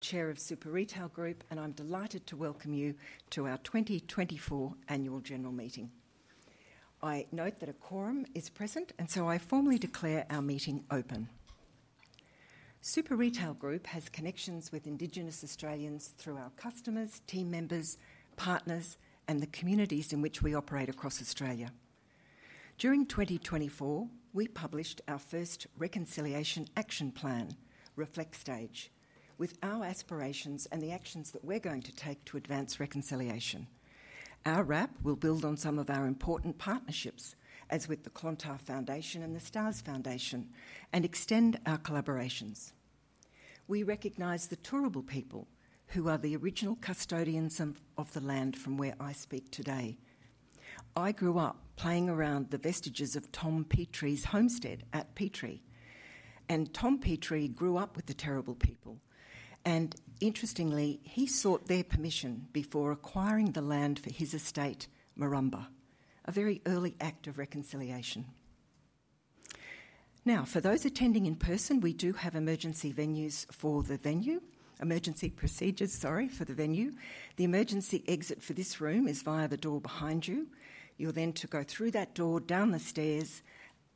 Chair of Super Retail Group, and I'm delighted to welcome you to our twenty twenty-four Annual General Meeting. I note that a quorum is present, and so I formally declare our meeting open. Super Retail Group has connections with Indigenous Australians through our customers, team members, partners and the communities in which we operate across Australia. During twenty twenty-four, we published our first Reconciliation Action Plan, Reflect Stage, with our aspirations and the actions that we're going to take to advance reconciliation. Our RAP will build on some of our important partnerships, as with the Clontarf Foundation and the Stars Foundation, and extend our collaborations. We recognise the Turrbal people, who are the original custodians of the land from where I speak today. I grew up playing around the vestiges of Tom Petrie's homestead at Petrie, and Tom Petrie grew up with the Turrbal people, and interestingly, he sought their permission before acquiring the land for his estate, Murrumba, a very early act of reconciliation. Now, for those attending in person, we do have emergency venues for the venue, emergency procedures, sorry, for the venue. The emergency exit for this room is via the door behind you. You're then to go through that door, down the stairs,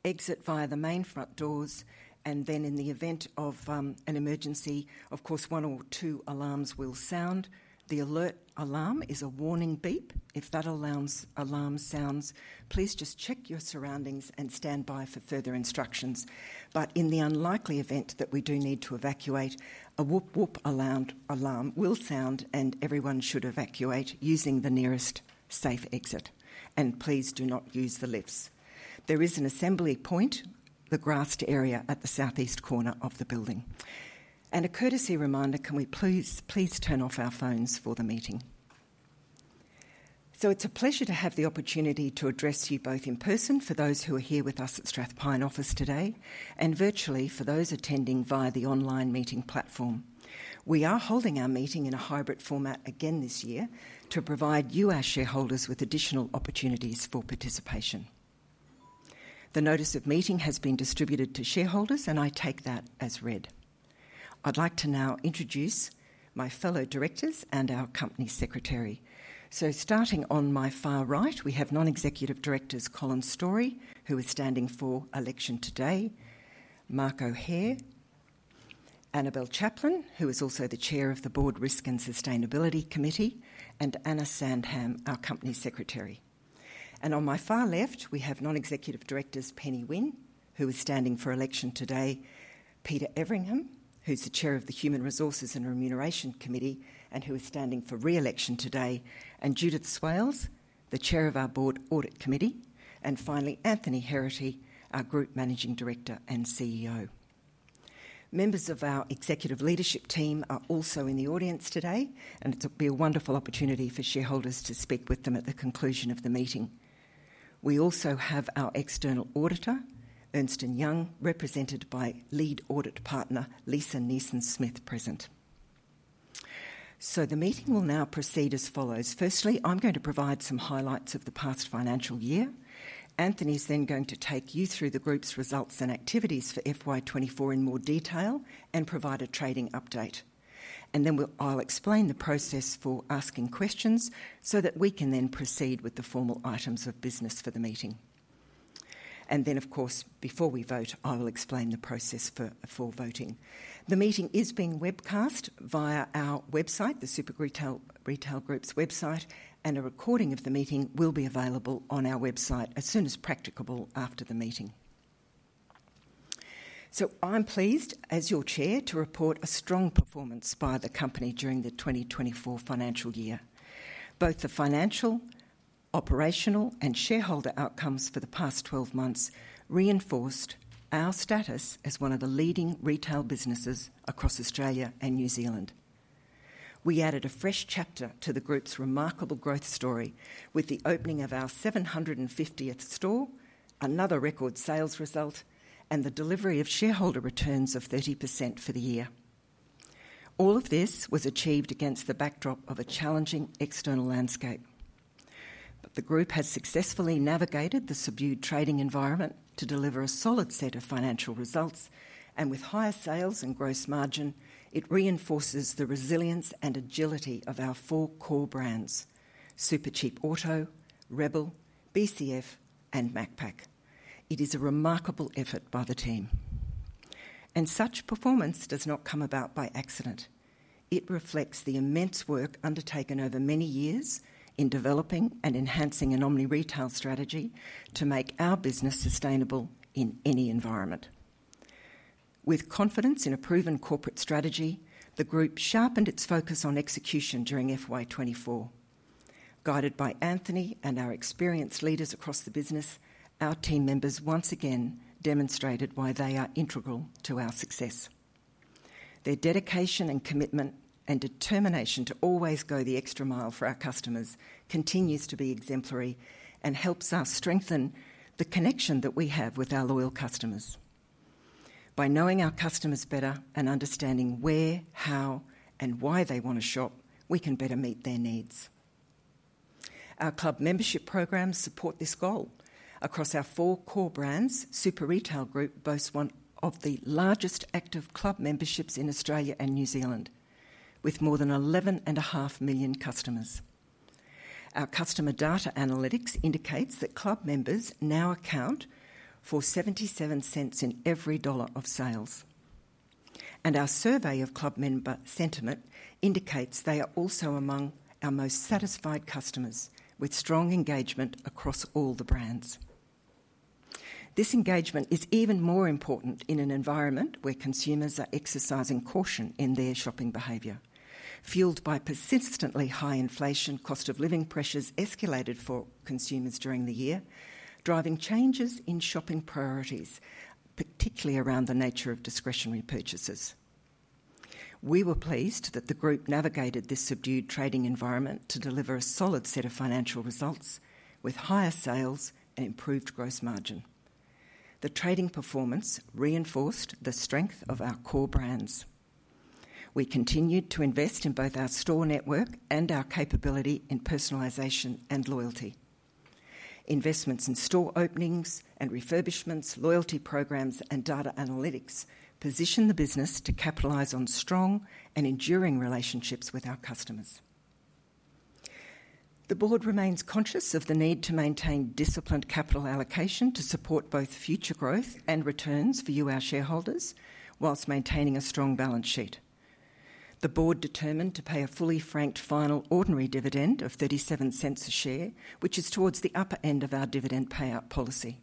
exit via the main front doors, and then in the event of an emergency, of course, one or two alarms will sound. The alert alarm is a warning beep. If that alarm sounds, please just check your surroundings and stand by for further instructions. But in the unlikely event that we do need to evacuate, a whoop whoop alarm will sound and everyone should evacuate using the nearest safe exit, and please do not use the lifts. There is an assembly point, the grassed area at the southeast corner of the building. And a courtesy reminder, can we please, please turn off our phones for the meeting? So it's a pleasure to have the opportunity to address you both in person, for those who are here with us at Strathpine office today, and virtually for those attending via the online meeting platform. We are holding our meeting in a hybrid format again this year to provide you, our shareholders, with additional opportunities for participation. The notice of meeting has been distributed to shareholders, and I take that as read. I'd like to now introduce my fellow directors and our company secretary. So starting on my far right, we have non-executive directors, Colin Storrie, who is standing for election today, Mark O'Hare, Annabel Chaplain, who is also the Chair of the Board Risk and Sustainability Committee, and Anna Sandham, our Company Secretary. And on my far left, we have non-executive directors, Penny Winn, who is standing for election today, Peter Everingham, who's the Chair of the Human Resources and Remuneration Committee and who is standing for re-election today, and Judith Swales, the Chair of our Board Audit Committee, and finally, Anthony Heraghty, our Group Managing Director and CEO. Members of our executive leadership team are also in the audience today, and it'll be a wonderful opportunity for shareholders to speak with them at the conclusion of the meeting. We also have our external auditor, Ernst & Young, represented by Lead Audit Partner, Lisa Nijssen-Smith, present. The meeting will now proceed as follows: firstly, I'm going to provide some highlights of the past financial year. Anthony's then going to take you through the Group's results and activities for FY twenty-four in more detail and provide a trading update. And then I'll explain the process for asking questions so that we can then proceed with the formal items of business for the meeting. And then, of course, before we vote, I will explain the process for voting. The meeting is being webcast via our website, the Super Retail Group's website, and a recording of the meeting will be available on our website as soon as practicable after the meeting. So I'm pleased, as your Chair, to report a strong performance by the company during the twenty twenty-four financial year. Both the financial, operational, and shareholder outcomes for the past twelve months reinforced our status as one of the leading retail businesses across Australia and New Zealand. We added a fresh chapter to the Group's remarkable growth story with the opening of our seven hundred and fiftieth store, another record sales result, and the delivery of shareholder returns of 30% for the year. All of this was achieved against the backdrop of a challenging external landscape. But the Group has successfully navigated the subdued trading environment to deliver a solid set of financial results, and with higher sales and gross margin, it reinforces the resilience and agility of our four core brands: Supercheap Auto, Rebel, BCF, and Macpac. It is a remarkable effort by the team. And such performance does not come about by accident. It reflects the immense work undertaken over many years in developing and enhancing an omni-retail strategy to make our business sustainable in any environment. With confidence in a proven corporate strategy, the Group sharpened its focus on execution during FY 2024. Guided by Anthony and our experienced leaders across the business, our team members once again demonstrated why they are integral to our success. Their dedication and commitment and determination to always go the extra mile for our customers continues to be exemplary and helps us strengthen the connection that we have with our loyal customers. By knowing our customers better and understanding where, how, and why they want to shop, we can better meet their needs. Our club membership programs support this goal. Across our four core brands, Super Retail Group boasts one of the largest active club memberships in Australia and New Zealand, with more than eleven and a half million customers. Our customer data analytics indicates that club members now account for seventy-seven cents in every dollar of sales, and our survey of club member sentiment indicates they are also among our most satisfied customers, with strong engagement across all the brands. This engagement is even more important in an environment where consumers are exercising caution in their shopping behavior. Fueled by persistently high inflation, cost of living pressures escalated for consumers during the year, driving changes in shopping priorities, particularly around the nature of discretionary purchases. We were pleased that the group navigated this subdued trading environment to deliver a solid set of financial results, with higher sales and improved gross margin. The trading performance reinforced the strength of our core brands. We continued to invest in both our store network and our capability in personalization and loyalty. Investments in store openings and refurbishments, loyalty programs, and data analytics position the business to capitalize on strong and enduring relationships with our customers. The board remains conscious of the need to maintain disciplined capital allocation to support both future growth and returns for you, our shareholders, whilst maintaining a strong balance sheet. The board determined to pay a fully franked final ordinary dividend of 0.37 a share, which is towards the upper end of our dividend payout policy.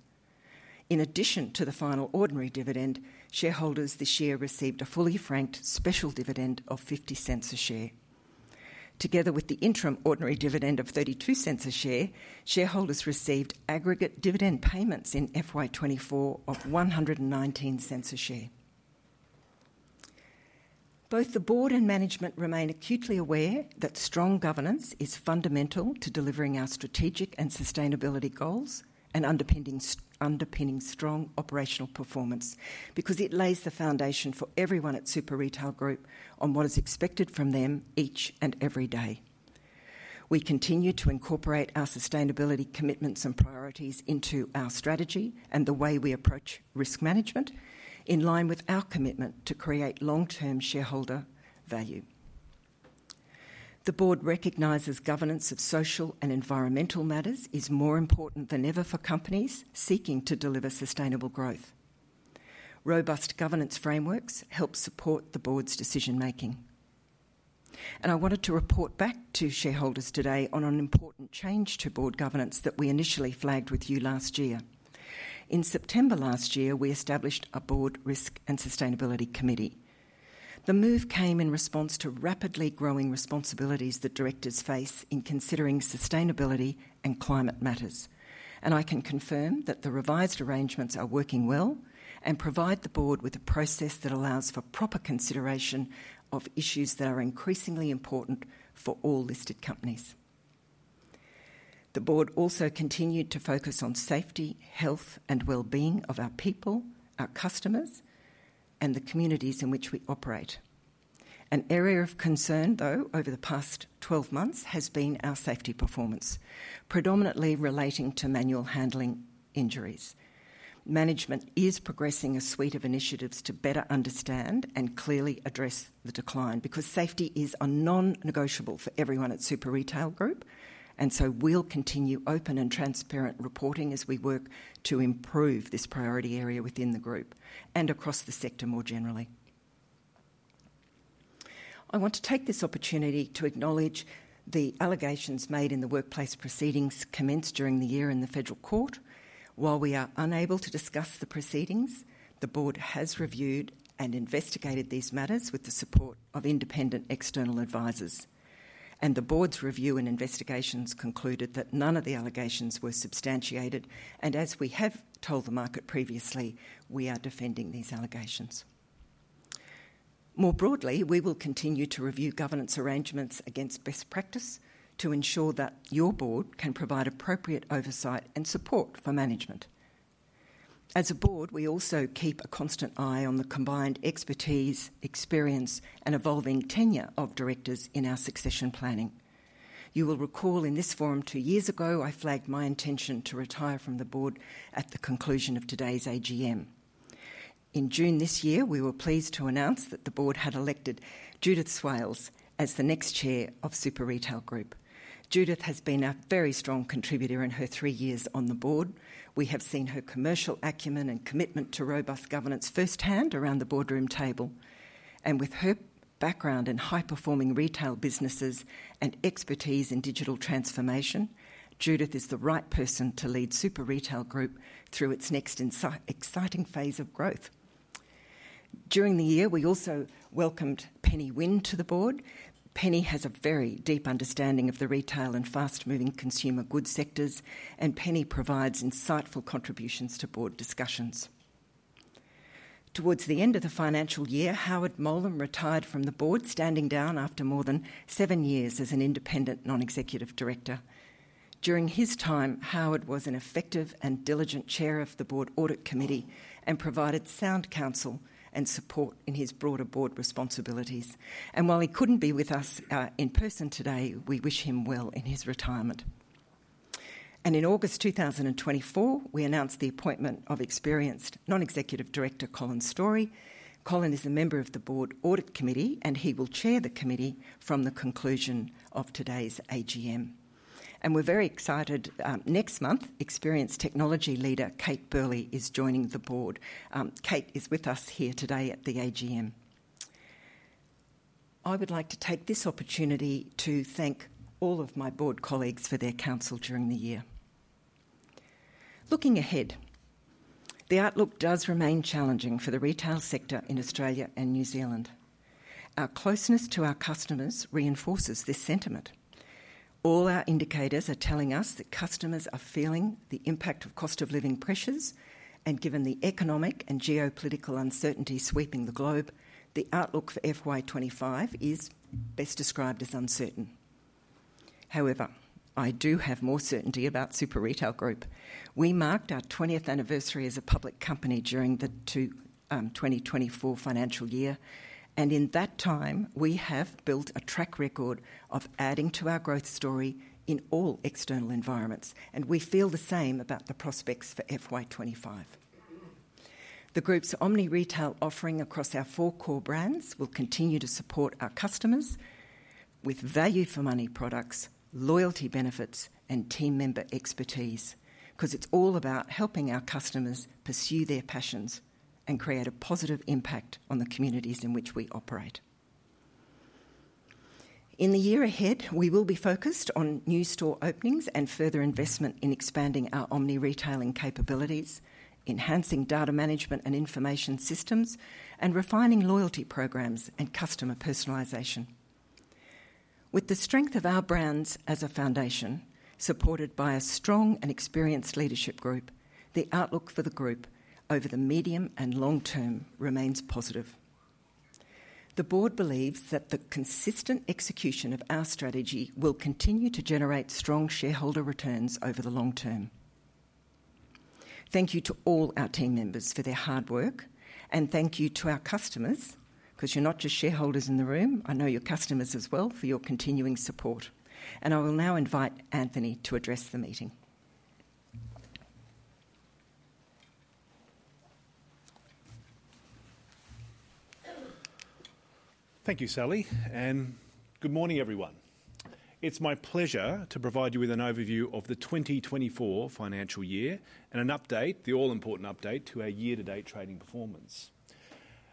In addition to the final ordinary dividend, shareholders this year received a fully franked special dividend of 0.50 a share. Together with the interim ordinary dividend of 0.32 a share, shareholders received aggregate dividend payments in FY 2024 of 1.19 a share. Both the board and management remain acutely aware that strong governance is fundamental to delivering our strategic and sustainability goals, and underpinning strong operational performance, because it lays the foundation for everyone at Super Retail Group on what is expected from them each and every day. We continue to incorporate our sustainability commitments and priorities into our strategy and the way we approach risk management, in line with our commitment to create long-term shareholder value. The board recognizes governance of social and environmental matters is more important than ever for companies seeking to deliver sustainable growth. Robust governance frameworks help support the board's decision-making. I wanted to report back to shareholders today on an important change to board governance that we initially flagged with you last year. In September last year, we established a Board Risk and Sustainability Committee. The move came in response to rapidly growing responsibilities that directors face in considering sustainability and climate matters. I can confirm that the revised arrangements are working well and provide the board with a process that allows for proper consideration of issues that are increasingly important for all listed companies. The board also continued to focus on safety, health, and well-being of our people, our customers, and the communities in which we operate. An area of concern, though, over the past twelve months, has been our safety performance, predominantly relating to manual handling injuries. Management is progressing a suite of initiatives to better understand and clearly address the decline, because safety is a non-negotiable for everyone at Super Retail Group, and so we'll continue open and transparent reporting as we work to improve this priority area within the group and across the sector more generally. I want to take this opportunity to acknowledge the allegations made in the workplace proceedings commenced during the year in the federal court. While we are unable to discuss the proceedings, the board has reviewed and investigated these matters with the support of independent external advisors. And the board's review and investigations concluded that none of the allegations were substantiated, and as we have told the market previously, we are defending these allegations. More broadly, we will continue to review governance arrangements against best practice to ensure that your board can provide appropriate oversight and support for management. As a board, we also keep a constant eye on the combined expertise, experience, and evolving tenure of directors in our succession planning. You will recall in this forum two years ago, I flagged my intention to retire from the board at the conclusion of today's AGM. In June this year, we were pleased to announce that the board had elected Judith Swales as the next chair of Super Retail Group. Judith has been a very strong contributor in her three years on the board. We have seen her commercial acumen and commitment to robust governance firsthand around the boardroom table, and with her background in high-performing retail businesses and expertise in digital transformation, Judith is the right person to lead Super Retail Group through its next exciting phase of growth. During the year, we also welcomed Penny Winn to the board. Penny has a very deep understanding of the retail and fast-moving consumer goods sectors, and Penny provides insightful contributions to board discussions. Towards the end of the financial year, Howard Mowlem retired from the board, standing down after more than seven years as an independent non-executive director. During his time, Howard was an effective and diligent chair of the board audit committee and provided sound counsel and support in his broader board responsibilities. And while he couldn't be with us in person today, we wish him well in his retirement, and in August 2024, we announced the appointment of experienced non-executive director, Colin Storrie. Colin is a member of the board audit committee, and he will chair the committee from the conclusion of today's AGM. And we're very excited next month, experienced technology leader, Kate Burley, is joining the board. Kate is with us here today at the AGM. I would like to take this opportunity to thank all of my board colleagues for their counsel during the year. Looking ahead, the outlook does remain challenging for the retail sector in Australia and New Zealand. Our closeness to our customers reinforces this sentiment. All our indicators are telling us that customers are feeling the impact of cost-of-living pressures, and given the economic and geopolitical uncertainty sweeping the globe, the outlook for FY 2025 is best described as uncertain. However, I do have more certainty about Super Retail Group. We marked our twentieth anniversary as a public company during the 2024 financial year, and in that time, we have built a track record of adding to our growth story in all external environments, and we feel the same about the prospects for FY 2025. The group's omni-retail offering across our four core brands will continue to support our customers with value for money products, loyalty benefits, and team member expertise, 'cause it's all about helping our customers pursue their passions and create a positive impact on the communities in which we operate. In the year ahead, we will be focused on new store openings and further investment in expanding our omni-retailing capabilities, enhancing data management and information systems, and refining loyalty programs and customer personalization. With the strength of our brands as a foundation, supported by a strong and experienced leadership group, the outlook for the group over the medium and long term remains positive. The board believes that the consistent execution of our strategy will continue to generate strong shareholder returns over the long term. Thank you to all our team members for their hard work, and thank you to our customers, 'cause you're not just shareholders in the room, I know you're customers as well, for your continuing support, and I will now invite Anthony to address the meeting. Thank you, Sally, and good morning, everyone. It's my pleasure to provide you with an overview of the 2024 financial year and an update, the all-important update, to our year-to-date trading performance.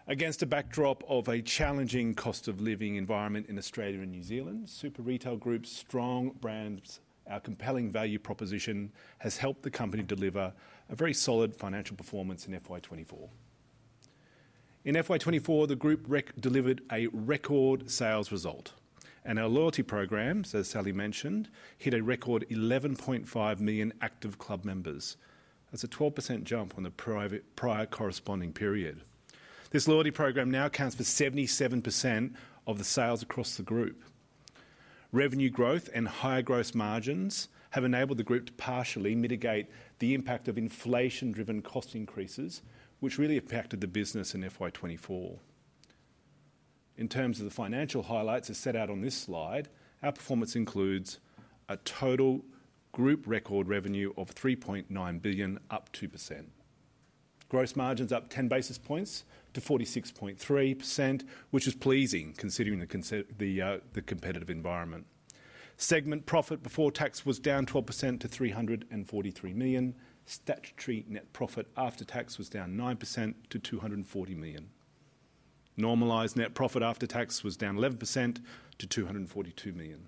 Against a backdrop of a challenging cost-of-living environment in Australia and New Zealand, Super Retail Group's strong brands, our compelling value proposition, has helped the company deliver a very solid financial performance in FY 2024. In FY 2024, the group delivered a record sales result, and our loyalty programs, as Sally mentioned, hit a record 11.5 million active club members. That's a 12% jump on the prior corresponding period. This loyalty program now accounts for 77% of the sales across the group. Revenue growth and higher gross margins have enabled the group to partially mitigate the impact of inflation-driven cost increases, which really affected the business in FY 2024. In terms of the financial highlights, as set out on this slide, our performance includes a total group record revenue of 3.9 billion, up 2%. Gross margins up 10 basis points to 46.3%, which is pleasing, considering the competitive environment. Segment profit before tax was down 12% to 343 million. Statutory net profit after tax was down 9% to 240 million. Normalized net profit after tax was down 11% to 242 million.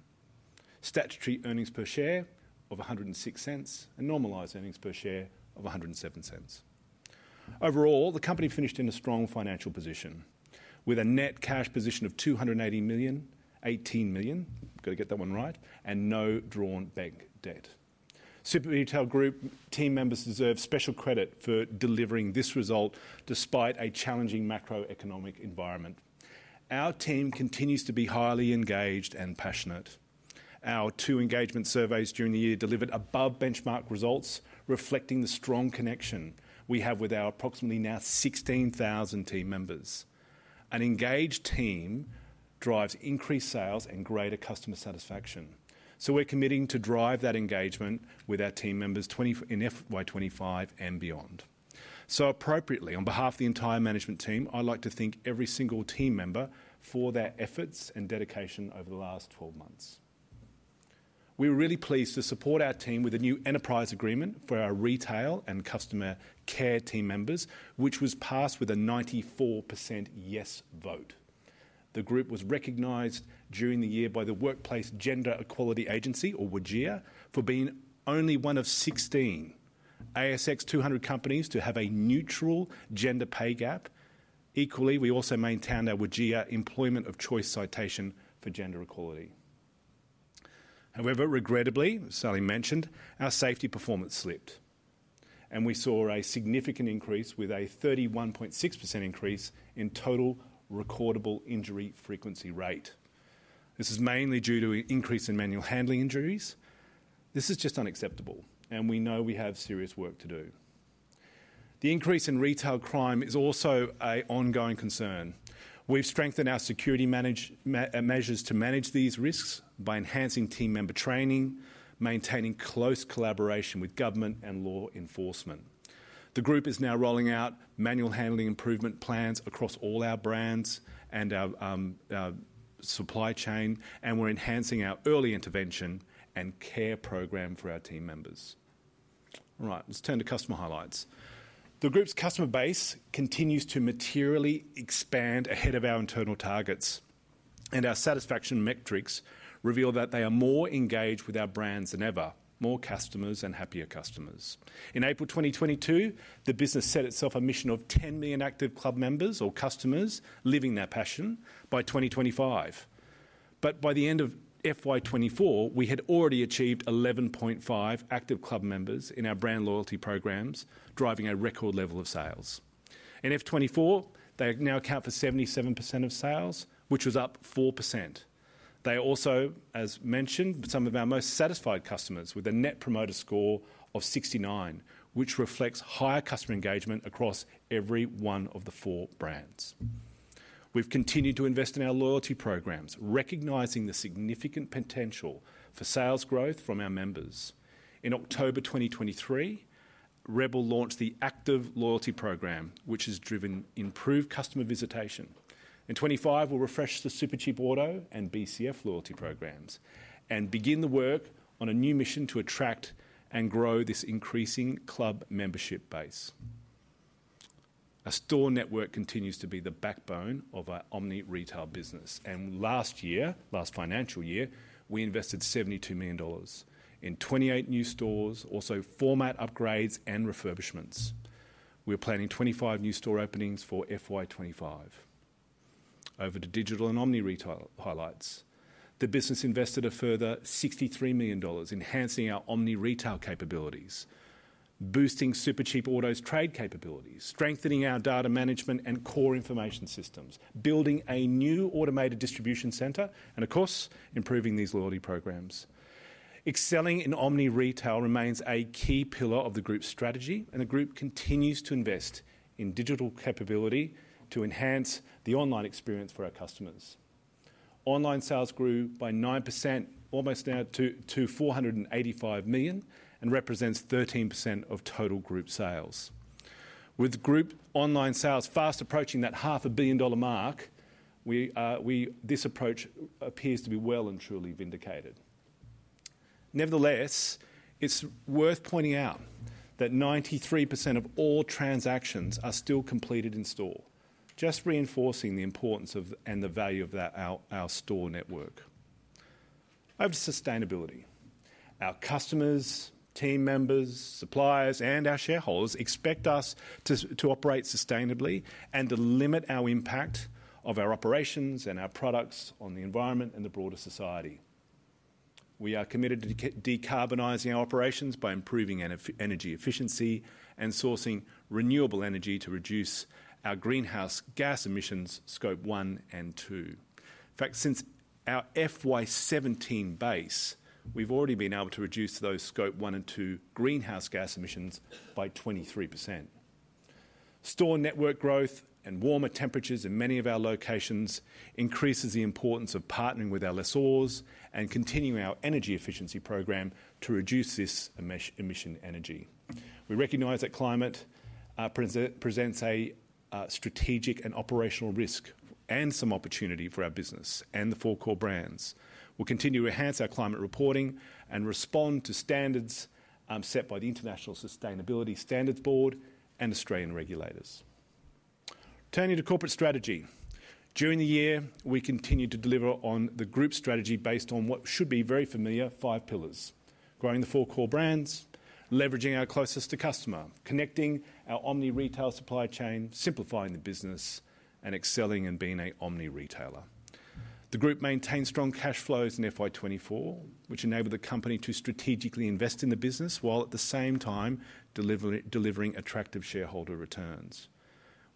Statutory earnings per share of 1.06, and normalized earnings per share of 1.07. Overall, the company finished in a strong financial position with a net cash position of 280 million - 18 million, got to get that one right, and no drawn bank debt. Super Retail Group team members deserve special credit for delivering this result despite a challenging macroeconomic environment. Our team continues to be highly engaged and passionate. Our two engagement surveys during the year delivered above-benchmark results, reflecting the strong connection we have with our approximately now 16,000 team members. An engaged team drives increased sales and greater customer satisfaction, so we're committing to drive that engagement with our team members in FY 2025 and beyond. Appropriately, on behalf of the entire management team, I'd like to thank every single team member for their efforts and dedication over the last 12 months. We're really pleased to support our team with a new Enterprise Agreement for our retail and customer care team members, which was passed with a 94% yes vote. The group was recognized during the year by the Workplace Gender Equality Agency, or WGEA, for being only one of 16 ASX 200 companies to have a neutral gender pay gap. Equally, we also maintained our WGEA Employer of Choice citation for gender equality. However, regrettably, as Sally mentioned, our safety performance slipped, and we saw a significant increase with a 31.6% increase in total recordable injury frequency rate. This is mainly due to an increase in manual handling injuries. This is just unacceptable, and we know we have serious work to do. The increase in retail crime is also an ongoing concern. We've strengthened our security measures to manage these risks by enhancing team member training, maintaining close collaboration with government and law enforcement. The group is now rolling out manual handling improvement plans across all our brands and our supply chain, and we're enhancing our early intervention and care program for our team members. Right, let's turn to customer highlights. The group's customer base continues to materially expand ahead of our internal targets, and our satisfaction metrics reveal that they are more engaged with our brands than ever, more customers and happier customers. In April 2022, the business set itself a mission of 10 million active club members or customers living their passion by 2025. But by the end of FY 2024, we had already achieved 11.5 active club members in our brand loyalty programs, driving a record level of sales. In FY 2024, they now account for 77% of sales, which was up 4%. They are also, as mentioned, some of our most satisfied customers, with a Net Promoter Score of 69, which reflects higher customer engagement across every one of the four brands. We've continued to invest in our loyalty programs, recognizing the significant potential for sales growth from our members. In October 2023, Rebel launched the Active Loyalty program, which has driven improved customer visitation. In 2025, we'll refresh the Supercheap Auto and BCF loyalty programs and begin the work on a new mission to attract and grow this increasing club membership base. Our store network continues to be the backbone of our omni-retail business, and last year, last financial year, we invested 72 million dollars in 28 new stores, also format upgrades and refurbishments. We're planning 25 new store openings for FY 2025. Over to digital and omni-retail highlights. The business invested a further 63 million dollars, enhancing our omni-retail capabilities, boosting Supercheap Auto's trade capabilities, strengthening our data management and core information systems, building a new automated distribution center, and of course, improving these loyalty programs. Excelling in omni-retail remains a key pillar of the group's strategy, and the group continues to invest in digital capability to enhance the online experience for our customers. Online sales grew by 9%, almost now to 485 million, and represents 13% of total group sales. With group online sales fast approaching that 500 million dollar mark, we are, this approach appears to be well and truly vindicated. Nevertheless, it's worth pointing out that 93% of all transactions are still completed in-store, just reinforcing the importance of and the value of our store network. Over to sustainability. Our customers, team members, suppliers, and our shareholders expect us to operate sustainably and to limit our impact of our operations and our products on the environment and the broader society. We are committed to decarbonizing our operations by improving energy efficiency and sourcing renewable energy to reduce our greenhouse gas emissions, Scope 1 and 2. In fact, since our FY 2017 base, we've already been able to reduce those Scope 1 and 2 greenhouse gas emissions by 23%. Store network growth and warmer temperatures in many of our locations increases the importance of partnering with our lessors and continuing our energy efficiency program to reduce this emission energy. We recognize that climate presents a strategic and operational risk and some opportunity for our business and the four core brands. We'll continue to enhance our climate reporting and respond to standards set by the International Sustainability Standards Board and Australian regulators. Turning to corporate strategy. During the year, we continued to deliver on the group's strategy based on what should be very familiar five pillars: growing the four core brands, leveraging our closest to customer, connecting our omni-retail supply chain, simplifying the business, and excelling in being a omni retailer. The group maintained strong cash flows in FY 2024, which enabled the company to strategically invest in the business while at the same time delivering attractive shareholder returns.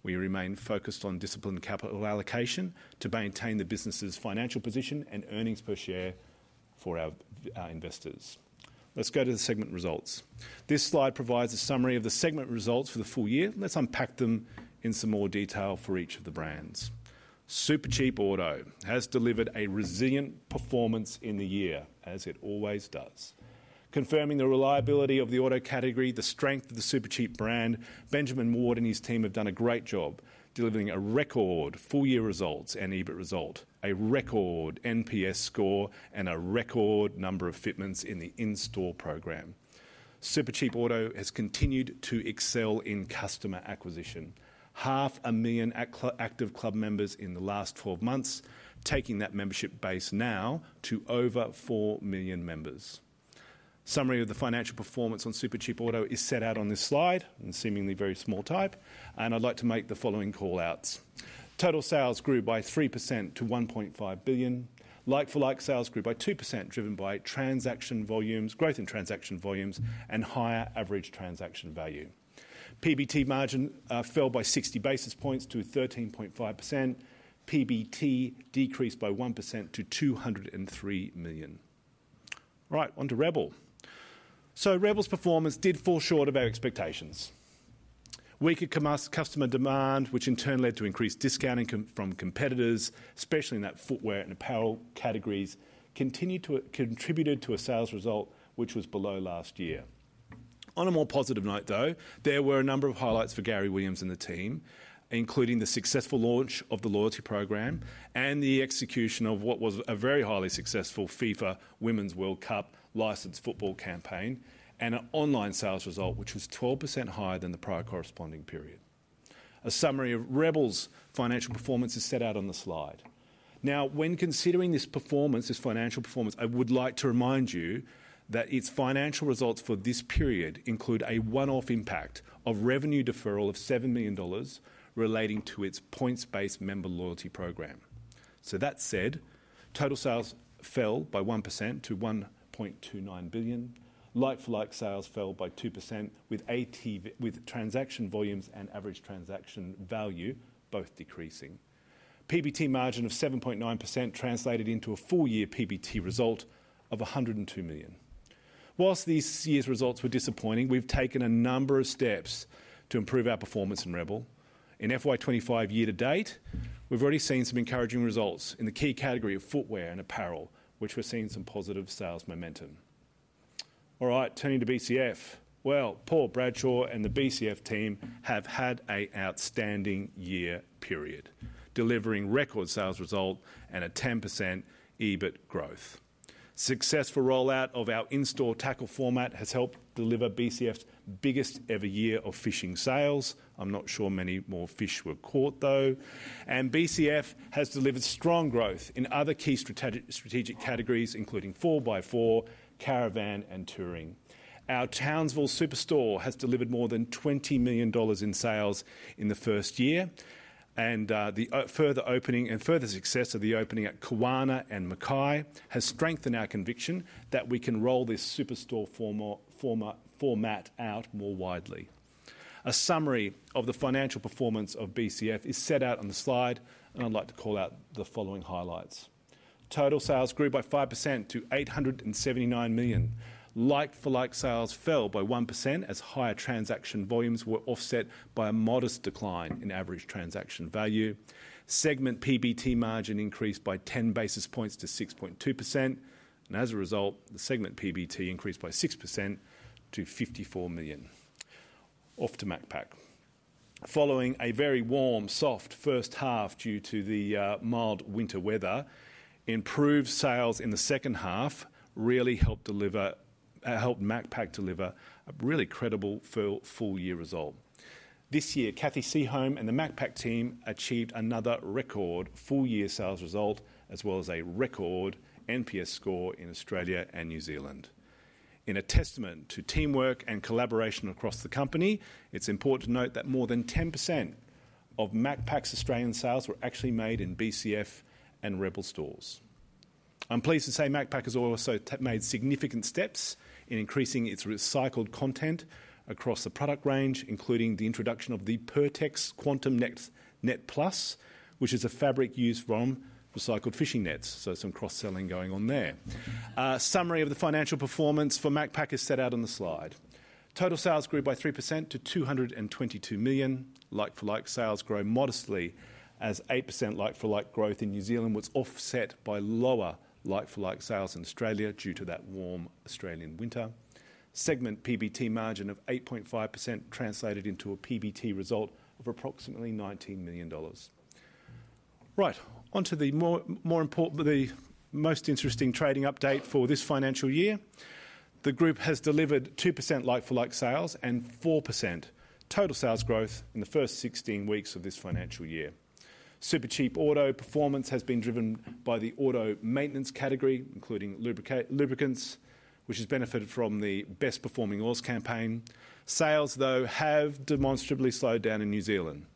We remain focused on disciplined capital allocation to maintain the business's financial position and earnings per share for our investors. Let's go to the segment results. This slide provides a summary of the segment results for the full year. Let's unpack them in some more detail for each of the brands. Supercheap Auto has delivered a resilient performance in the year, as it always does. Confirming the reliability of the auto category, the strength of the Supercheap brand, Benjamin Ward and his team have done a great job delivering a record full-year results and EBIT result, a record NPS score, and a record number of fitments in the in-store program. Supercheap Auto has continued to excel in customer acquisition. 500,000 active club members in the last twelve months, taking that membership base now to over 4 million members. Summary of the financial performance on Supercheap Auto is set out on this slide, in seemingly very small type, and I'd like to make the following call-outs: Total sales grew by 3% to 1.5 billion. Like-for-like sales grew by 2%, driven by transaction volumes, growth in transaction volumes, and higher average transaction value. PBT margin fell by 60 basis points to 13.5%. PBT decreased by 1% to 203 million. Right, on to Rebel. So Rebel's performance did fall short of our expectations. Weaker customer demand, which in turn led to increased discounting from competitors, especially in that footwear and apparel categories, continued to contribute to a sales result which was below last year. On a more positive note, though, there were a number of highlights for Gary Williams and the team, including the successful launch of the loyalty program and the execution of what was a very highly successful FIFA Women's World Cup licensed football campaign, and an online sales result, which was 12% higher than the prior corresponding period. A summary of Rebel's financial performance is set out on the slide. Now, when considering this performance, this financial performance, I would like to remind you that its financial results for this period include a one-off impact of revenue deferral of 7 million dollars relating to its points-based member loyalty program. So that said, total sales fell by 1% to 1.29 billion. Like-for-like sales fell by 2%, with ATV—with transaction volumes and average transaction value both decreasing. PBT margin of 7.9% translated into a full-year PBT result of 102 million. Whilst this year's results were disappointing, we've taken a number of steps to improve our performance in Rebel. In FY 2025 year to date, we've already seen some encouraging results in the key category of footwear and apparel, which we're seeing some positive sales momentum. All right, turning to BCF. Well, Paul Bradshaw and the BCF team have had an outstanding year period, delivering record sales result and 10% EBIT growth. Successful rollout of our in-store tackle format has helped deliver BCF's biggest ever year of fishing sales. I'm not sure many more fish were caught, though. BCF has delivered strong growth in other key strategic categories, including 4x4, caravan, and touring. Our Townsville superstore has delivered more than 20 million dollars in sales in the first year, and the further opening and further success of the opening at Kawana and Mackay has strengthened our conviction that we can roll this superstore format out more widely. A summary of the financial performance of BCF is set out on the slide, and I'd like to call out the following highlights. Total sales grew by 5% to 879 million. Like-for-like sales fell by 1%, as higher transaction volumes were offset by a modest decline in average transaction value. Segment PBT margin increased by 10 basis points to 6.2%, and as a result, the segment PBT increased by 6% to 54 million. Off to Macpac. Following a very warm, soft first half due to the mild winter weather, improved sales in the second half really helped Macpac deliver a really credible full-year result. This year, Cathy Seaholme and the Macpac team achieved another record full-year sales result, as well as a record NPS score in Australia and New Zealand. In a testament to teamwork and collaboration across the company, it's important to note that more than 10% of Macpac's Australian sales were actually made in BCF and Rebel stores. I'm pleased to say Macpac has also made significant steps in increasing its recycled content across the product range, including the introduction of the Pertex Quantum NetPlus, which is a fabric used from recycled fishing nets, so some cross-selling going on there. Summary of the financial performance for Macpac is set out on the slide. Total sales grew by 3% to 222 million. Like-for-like sales grew modestly, as 8% like-for-like growth in New Zealand was offset by lower like-for-like sales in Australia due to that warm Australian winter. Segment PBT margin of 8.5% translated into a PBT result of approximately 19 million dollars. Right, onto the most interesting trading update for this financial year. The group has delivered 2% like-for-like sales and 4% total sales growth in the first 16 weeks of this financial year. Supercheap Auto performance has been driven by the auto maintenance category, including lubricants, which has benefited from the Best Performing Oils campaign. Sales, though, have demonstrably slowed down in New Zealand.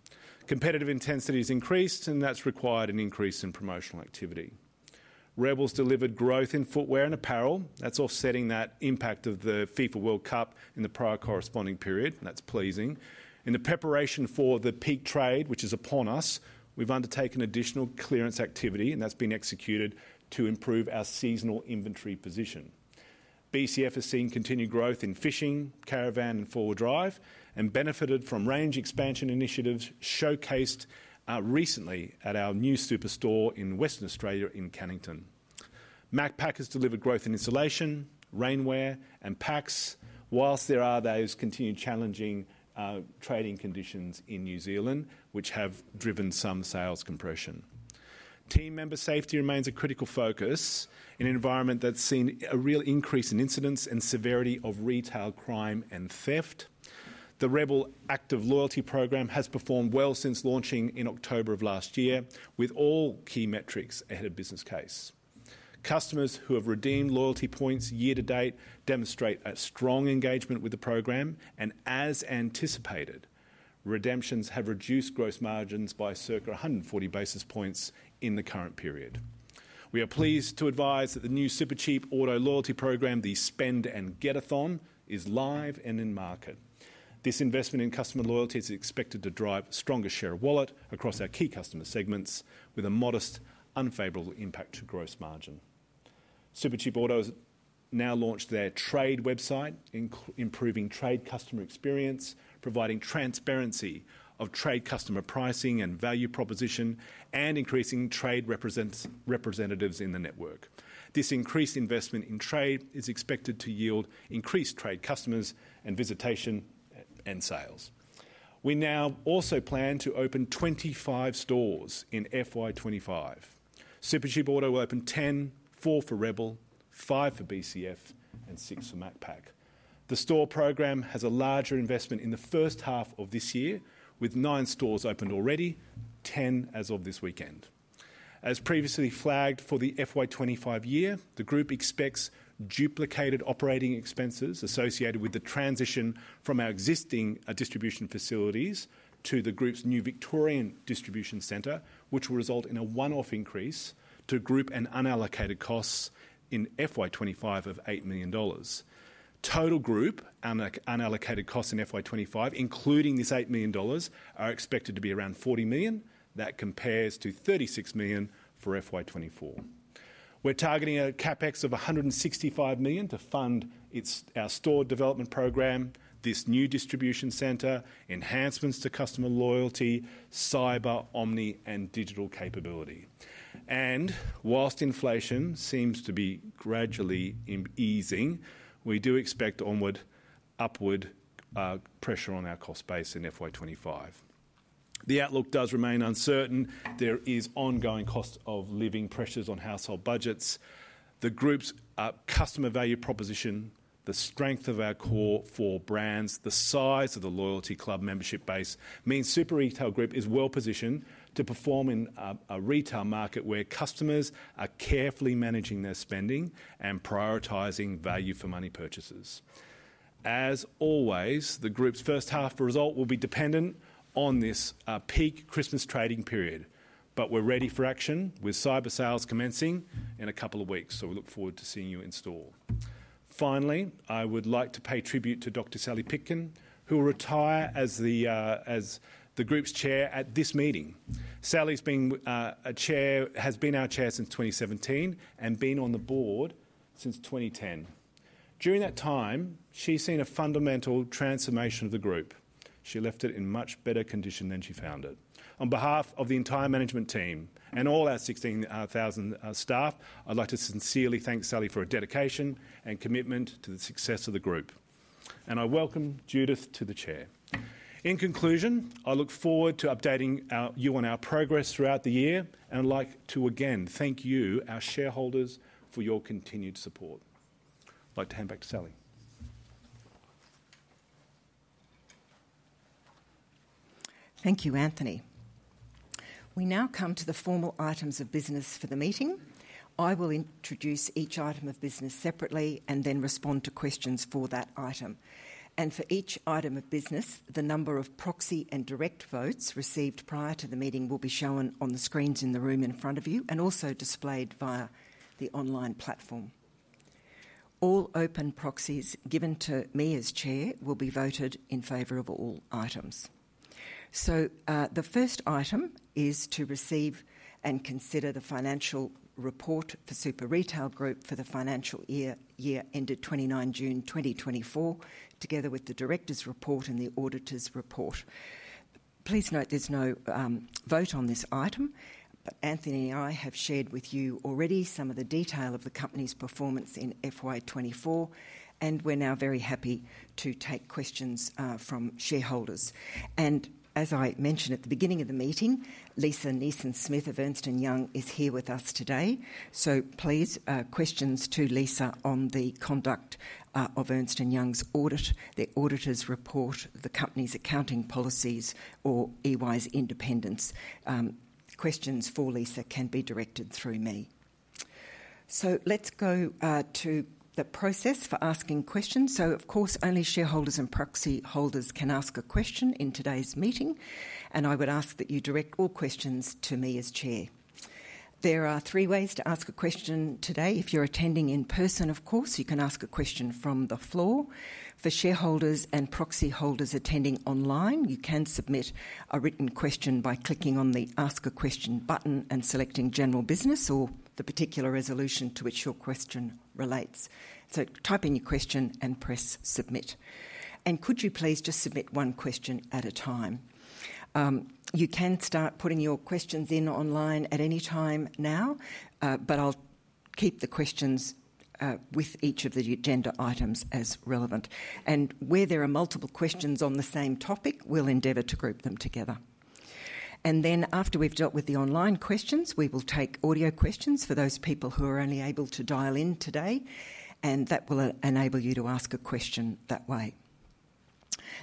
Competitive intensity has increased, and that's required an increase in promotional activity. Rebel's delivered growth in footwear and apparel. That's offsetting that impact of the FIFA World Cup in the prior corresponding period, and that's pleasing. In the preparation for the peak trade, which is upon us, we've undertaken additional clearance activity, and that's been executed to improve our seasonal inventory position. BCF has seen continued growth in fishing, caravan, and four-wheel drive and benefited from range expansion initiatives showcased recently at our new superstore in Western Australia in Cannington. Macpac has delivered growth in insulation, rainwear, and packs, while there are those continued challenging trading conditions in New Zealand, which have driven some sales compression. Team member safety remains a critical focus in an environment that's seen a real increase in incidents and severity of retail crime and theft. The Rebel Active loyalty program has performed well since launching in October of last year, with all key metrics ahead of business case. Customers who have redeemed loyalty points year to date demonstrate a strong engagement with the program and as anticipated, redemptions have reduced gross margins by circa 140 basis points in the current period. We are pleased to advise that the new Supercheap Auto loyalty program, the Spend & Get-A-Thon, is live and in market. This investment in customer loyalty is expected to drive stronger share of wallet across our key customer segments, with a modest, unfavorable impact to gross margin. Supercheap Auto has now launched their trade website, including improving trade customer experience, providing transparency of trade customer pricing and value proposition, and increasing trade representatives in the network. This increased investment in trade is expected to yield increased trade customers and visitation, and sales. We now also plan to open twenty-five stores in FY twenty-five. Supercheap Auto will open ten, four for Rebel, five for BCF, and six for Macpac. The store program has a larger investment in the first half of this year, with nine stores opened already, ten as of this weekend. As previously flagged for the FY twenty-five year, the group expects duplicated operating expenses associated with the transition from our existing distribution facilities to the group's new Victorian distribution center, which will result in a one-off increase to group and unallocated costs in FY twenty-five of 8 million dollars. Total group unallocated costs in FY twenty-five, including this 8 million dollars, are expected to be around 40 million. That compares to 36 million for FY twenty-four. We're targeting a CapEx of 165 million to fund our store development program, this new distribution center, enhancements to customer loyalty, cyber, omni, and digital capability. While inflation seems to be gradually easing, we do expect onward, upward pressure on our cost base in FY twenty-five. The outlook does remain uncertain. There is ongoing cost of living pressures on household budgets. The group's customer value proposition, the strength of our core four brands, the size of the Loyalty Club membership base, means Super Retail Group is well-positioned to perform in a retail market where customers are carefully managing their spending and prioritizing value for money purchases. As always, the group's first half result will be dependent on this peak Christmas trading period. But we're ready for action with cyber sales commencing in a couple of weeks, so we look forward to seeing you in store. Finally, I would like to pay tribute to Dr Sally Pitkin, who will retire as the group's chair at this meeting. Sally's been our chair since twenty seventeen, and been on the board since twenty ten. During that time, she's seen a fundamental transformation of the group. She left it in much better condition than she found it. On behalf of the entire management team and all our sixteen thousand staff, I'd like to sincerely thank Sally for her dedication and commitment to the success of the group, and I welcome Judith to the chair. In conclusion, I look forward to updating you on our progress throughout the year, and I'd like to again thank you, our shareholders, for your continued support. I'd like to hand back to Sally. Thank you, Anthony. We now come to the formal items of business for the meeting. I will introduce each item of business separately and then respond to questions for that item. For each item of business, the number of proxy and direct votes received prior to the meeting will be shown on the screens in the room in front of you and also displayed via the online platform. All open proxies given to me as chair will be voted in favor of all items. So, the first item is to receive and consider the financial report for Super Retail Group for the financial year, year ended twenty-nine June, twenty twenty-four, together with the directors' report and the auditors' report. Please note there's no vote on this item, but Anthony and I have shared with you already some of the detail of the company's performance in FY twenty-four, and we're now very happy to take questions from shareholders. And as I mentioned at the beginning of the meeting, Lisa Nijssen-Smith of Ernst & Young is here with us today. So please, questions to Lisa on the conduct of Ernst & Young's audit, the auditors' report, the company's accounting policies, or EY's independence. Questions for Lisa can be directed through me. So let's go to the process for asking questions. So of course, only shareholders and proxy holders can ask a question in today's meeting, and I would ask that you direct all questions to me as chair. There are three ways to ask a question today. If you're attending in person, of course, you can ask a question from the floor. For shareholders and proxy holders attending online, you can submit a written question by clicking on the Ask a Question button and selecting General Business or the particular resolution to which your question relates. So type in your question and press Submit. And could you please just submit one question at a time? You can start putting your questions in online at any time now, but I'll keep the questions with each of the agenda items as relevant. And where there are multiple questions on the same topic, we'll endeavor to group them together. And then after we've dealt with the online questions, we will take audio questions for those people who are only able to dial in today, and that will enable you to ask a question that way.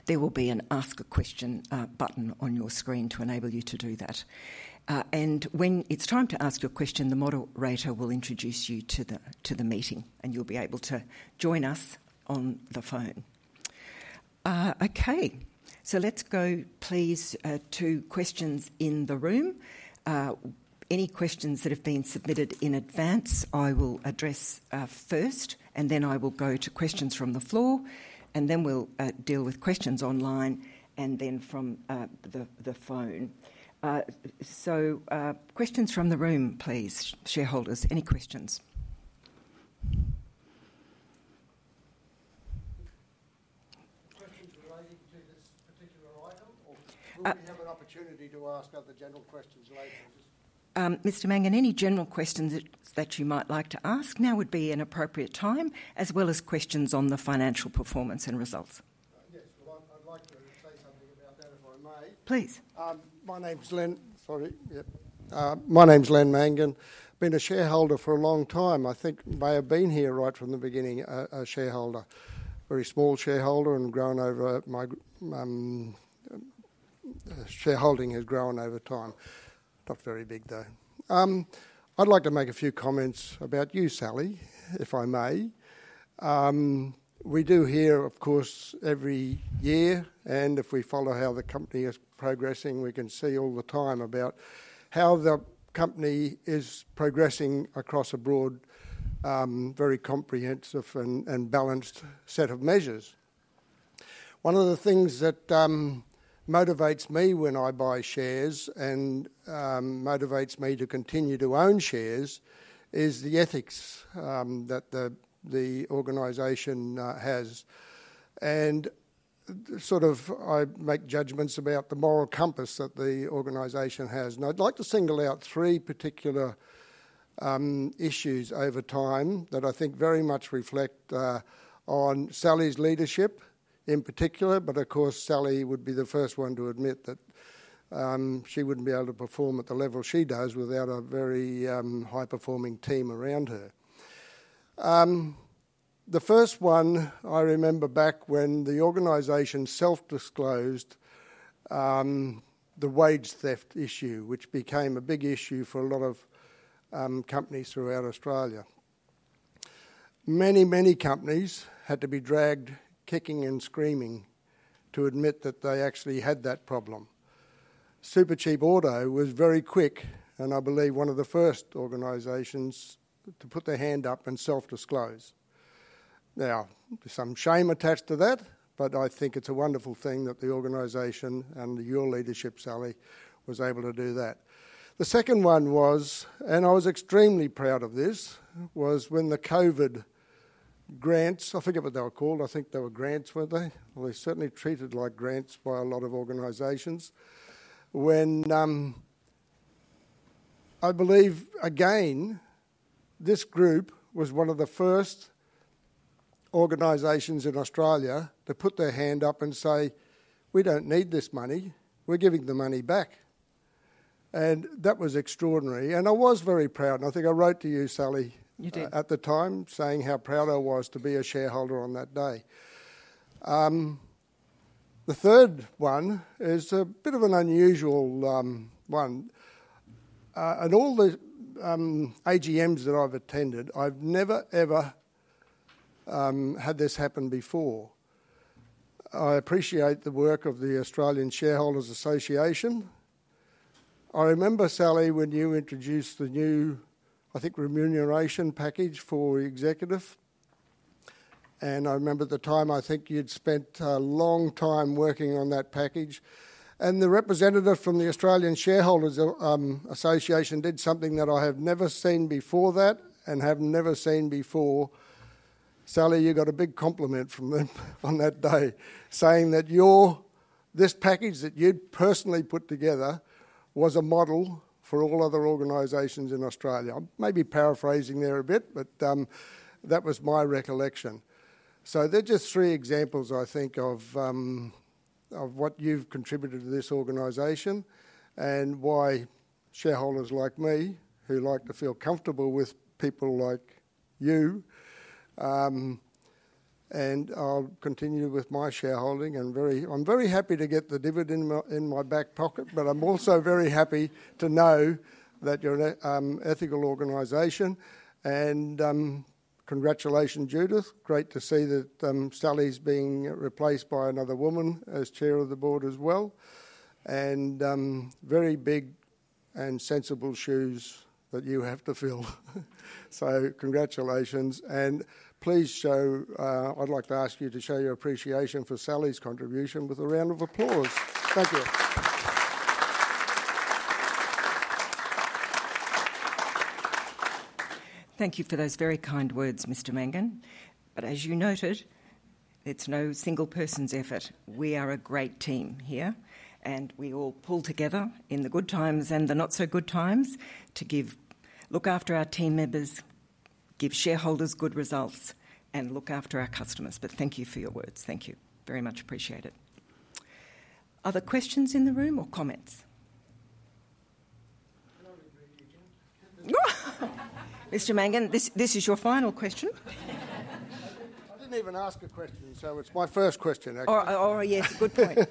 There will be an Ask a Question button on your screen to enable you to do that, and when it's time to ask your question, the moderator will introduce you to the meeting, and you'll be able to join us on the phone. Okay, so let's go please to questions in the room. Any questions that have been submitted in advance, I will address first, and then I will go to questions from the floor, and then we'll deal with questions online, and then from the phone. Questions from the room, please, shareholders, any questions? ... relating to this particular item, or will we have an opportunity to ask other general questions later on? Mr. Mangan, any general questions that you might like to ask, now would be an appropriate time, as well as questions on the financial performance and results. Yes. Well, I'd like to say something about that, if I may. Please. My name's Len Mangan. Been a shareholder for a long time. I think may have been here right from the beginning, a shareholder. Very small shareholder and grown over my, shareholding has grown over time. Not very big, though. I'd like to make a few comments about you, Sally, if I may. We do hear, of course, every year, and if we follow how the company is progressing, we can see all the time about how the company is progressing across a broad, very comprehensive and balanced set of measures. One of the things that motivates me when I buy shares and motivates me to continue to own shares is the ethics that the organization has. Sort of I make judgments about the moral compass that the organization has. I'd like to single out three particular issues over time that I think very much reflect on Sally's leadership in particular. Of course, Sally would be the first one to admit that she wouldn't be able to perform at the level she does without a very high-performing team around her. The first one I remember back when the organization self-disclosed the wage theft issue, which became a big issue for a lot of companies throughout Australia. Many, many companies had to be dragged, kicking and screaming, to admit that they actually had that problem. Supercheap Auto was very quick, and I believe one of the first organizations to put their hand up and self-disclose. Now, there's some shame attached to that, but I think it's a wonderful thing that the organization, under your leadership, Sally, was able to do that. The second one was, and I was extremely proud of this, was when the COVID grants... I forget what they were called. I think they were grants, weren't they? Well, they certainly treated like grants by a lot of organizations. When, I believe, again, this group was one of the first organizations in Australia to put their hand up and say, "We don't need this money. We're giving the money back." And that was extraordinary, and I was very proud, and I think I wrote to you, Sally- You did... at the time, saying how proud I was to be a shareholder on that day. The third one is a bit of an unusual one. At all the AGMs that I've attended, I've never, ever, had this happen before. I appreciate the work of the Australian Shareholders Association. I remember, Sally, when you introduced the new, I think, remuneration package for executive, and I remember at the time, I think you'd spent a long time working on that package. And the representative from the Australian Shareholders Association did something that I have never seen before. Sally, you got a big compliment from them on that day, saying that your... this package that you'd personally put together was a model for all other organizations in Australia. I may be paraphrasing there a bit, but that was my recollection. They're just three examples, I think, of what you've contributed to this organization and why shareholders like me, who like to feel comfortable with people like you... And I'll continue with my shareholding. I'm very happy to get the dividend in my back pocket, but I'm also very happy to know that you're an ethical organization. Congratulations, Judith. Great to see that Sally's being replaced by another woman as chair of the board as well. Very big and sensible shoes that you have to fill. So congratulations, and please show... I'd like to ask you to show your appreciation for Sally's contribution with a round of applause. Thank you. Thank you for those very kind words, Mr. Mangan. But as you noted, it's no single person's effort. We are a great team here, and we all pull together in the good times and the not so good times to give, look after our team members, give shareholders good results, and look after our customers. But thank you for your words. Thank you. Very much appreciate it. Other questions in the room or comments? Can I repeat again? Mr. Mangan, this is your final question. I didn't even ask a question, so it's my first question, actually. Oh, oh, yes, good point.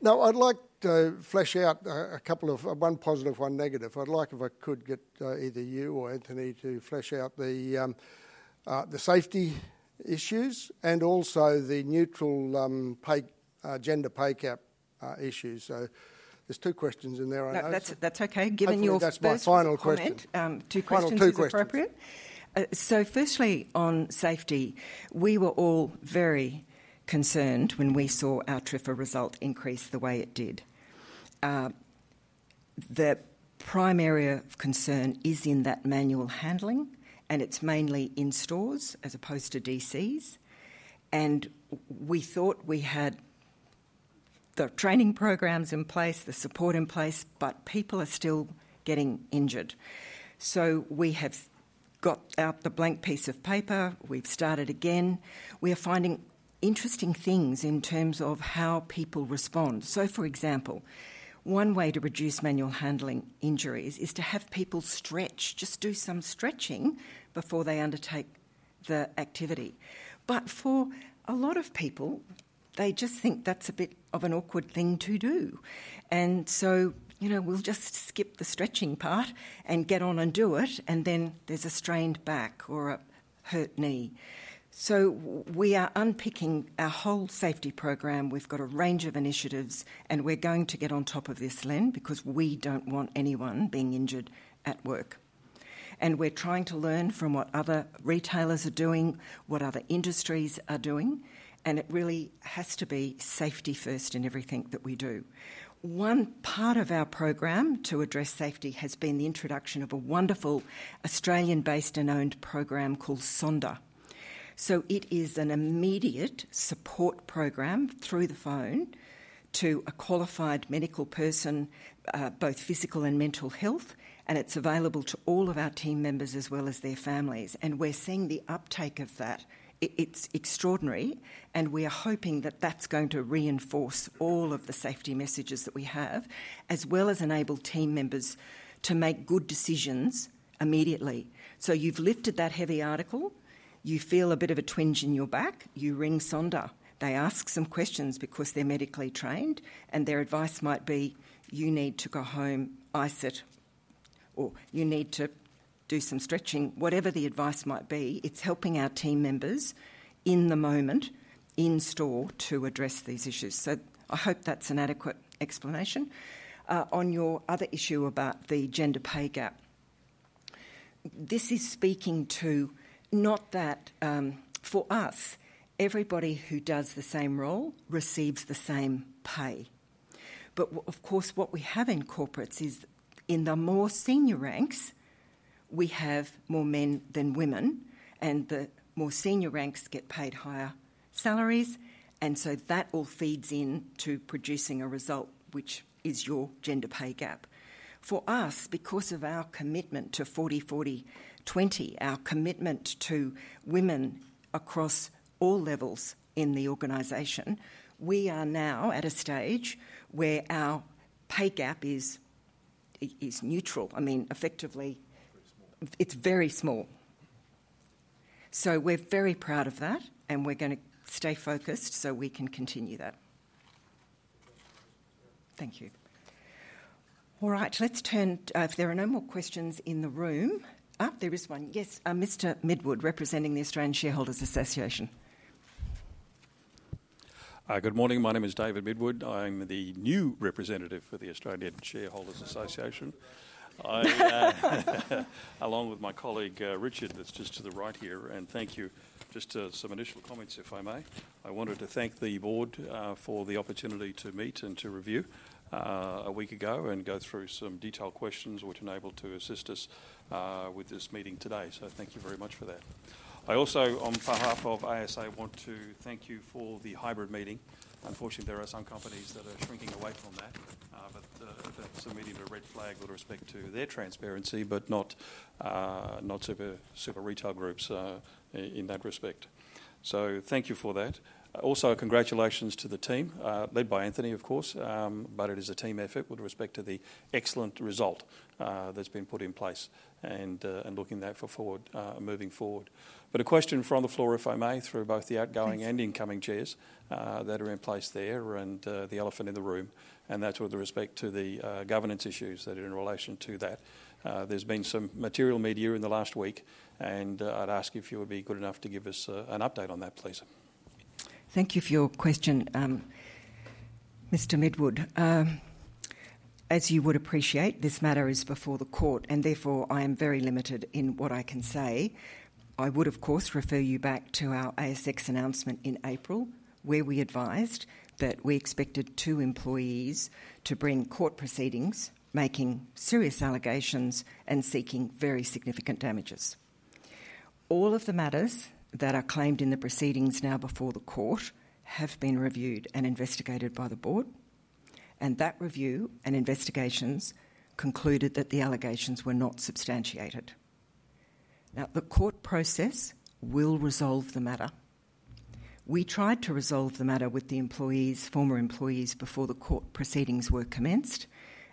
Now I'd like to flesh out a couple of one positive, one negative. I'd like, if I could, get either you or Anthony to flesh out the safety issues and also the neutral pay gender pay gap issues. So there's two questions in there, I know. No, that's, that's okay, given your first comment. Hopefully, that's my final question. Two questions is appropriate. Final two questions. So firstly, on safety, we were all very concerned when we saw our TRIFR result increase the way it did. The prime area of concern is in that manual handling, and it's mainly in stores as opposed to DCs. And we thought we had the training programs in place, the support in place, but people are still getting injured. So we have got out the blank piece of paper. We've started again. We are finding interesting things in terms of how people respond. So, for example, one way to reduce manual handling injuries is to have people stretch, just do some stretching before they undertake the activity. But for a lot of people, they just think that's a bit of an awkward thing to do, and so, you know, we'll just skip the stretching part and get on and do it, and then there's a strained back or a hurt knee. So we are unpicking our whole safety program. We've got a range of initiatives, and we're going to get on top of this, Len, because we don't want anyone being injured at work. We're trying to learn from what other retailers are doing, what other industries are doing, and it really has to be safety first in everything that we do. One part of our program to address safety has been the introduction of a wonderful Australian-based and owned program called Sonder. So it is an immediate support program through the phone to a qualified medical person, both physical and mental health, and it's available to all of our team members as well as their families. And we're seeing the uptake of that. It's extraordinary, and we are hoping that that's going to reinforce all of the safety messages that we have, as well as enable team members to make good decisions immediately. So you've lifted that heavy article. You feel a bit of a twinge in your back. You ring Sonder. They ask some questions because they're medically trained, and their advice might be, "You need to go home, ice it," or, "You need to do some stretching." Whatever the advice might be, it's helping our team members in the moment, in store, to address these issues. So I hope that's an adequate explanation. On your other issue about the gender pay gap, this is speaking to not that. For us, everybody who does the same role receives the same pay. But of course, what we have in corporates is, in the more senior ranks, we have more men than women, and the more senior ranks get paid higher salaries, and so that all feeds in to producing a result, which is your gender pay gap. For us, because of our commitment to forty-forty-twenty, our commitment to women across all levels in the organization, we are now at a stage where our pay gap is neutral. I mean, effectively- Very small. It's very small, so we're very proud of that, and we're gonna stay focused, so we can continue that. Thank you. All right, let's turn. If there are no more questions in the room. There is one. Yes, Mr. Midwood, representing the Australian Shareholders Association. Good morning. My name is David Midwood. I'm the new representative for the Australian Shareholders Association. I, along with my colleague, Richard, that's just to the right here, and thank you. Just, some initial comments, if I may. I wanted to thank the board, for the opportunity to meet and to review, a week ago and go through some detailed questions, which enabled to assist us, with this meeting today. So thank you very much for that. I also, on behalf of ASA, want to thank you for the hybrid meeting. Unfortunately, there are some companies that are shrinking away from that, but, that's immediately a red flag with respect to their transparency, but not, not Super Retail Group, in that respect. So thank you for that. Also, congratulations to the team, led by Anthony, of course, but it is a team effort with respect to the excellent result that's been put in place and looking forward, moving forward. But a question from the floor, if I may, through both the outgoing- Please... and incoming chairs that are in place there, and the elephant in the room, and that's with respect to the governance issues that are in relation to that. There's been some material media in the last week, and I'd ask if you would be good enough to give us an update on that, please. Thank you for your question, Mr. Midwood. As you would appreciate, this matter is before the court, and therefore, I am very limited in what I can say. I would, of course, refer you back to our ASX announcement in April, where we advised that we expected two employees to bring court proceedings, making serious allegations and seeking very significant damages. All of the matters that are claimed in the proceedings now before the court have been reviewed and investigated by the board, and that review and investigations concluded that the allegations were not substantiated. Now, the court process will resolve the matter. We tried to resolve the matter with the employees, former employees, before the court proceedings were commenced,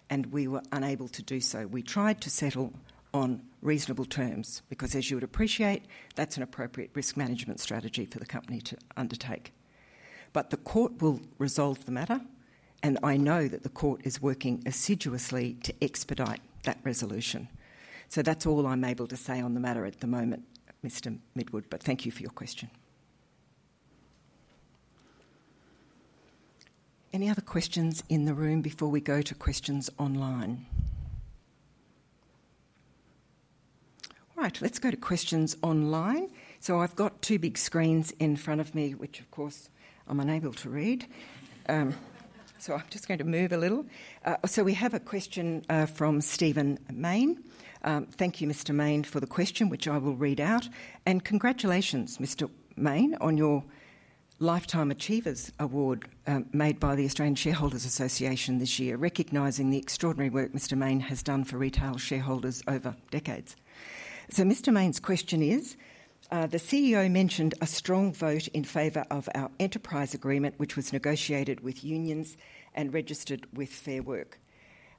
and we were unable to do so. We tried to settle on reasonable terms because, as you would appreciate, that's an appropriate risk management strategy for the company to undertake. But the court will resolve the matter, and I know that the court is working assiduously to expedite that resolution. So that's all I'm able to say on the matter at the moment, Mr. Midwood, but thank you for your question. Any other questions in the room before we go to questions online? All right, let's go to questions online. So I've got two big screens in front of me, which of course, I'm unable to read. So I'm just going to move a little. So we have a question from Stephen Mayne. Thank you, Mr. Mayne, for the question, which I will read out, and congratulations, Mr. Maine, on your Lifetime Achievers Award, made by the Australian Shareholders Association this year, recognizing the extraordinary work Mr. Mayne has done for retail shareholders over decades. So Mr. Mayne's question is: "The CEO mentioned a strong vote in favor of our enterprise agreement, which was negotiated with unions and registered with Fair Work.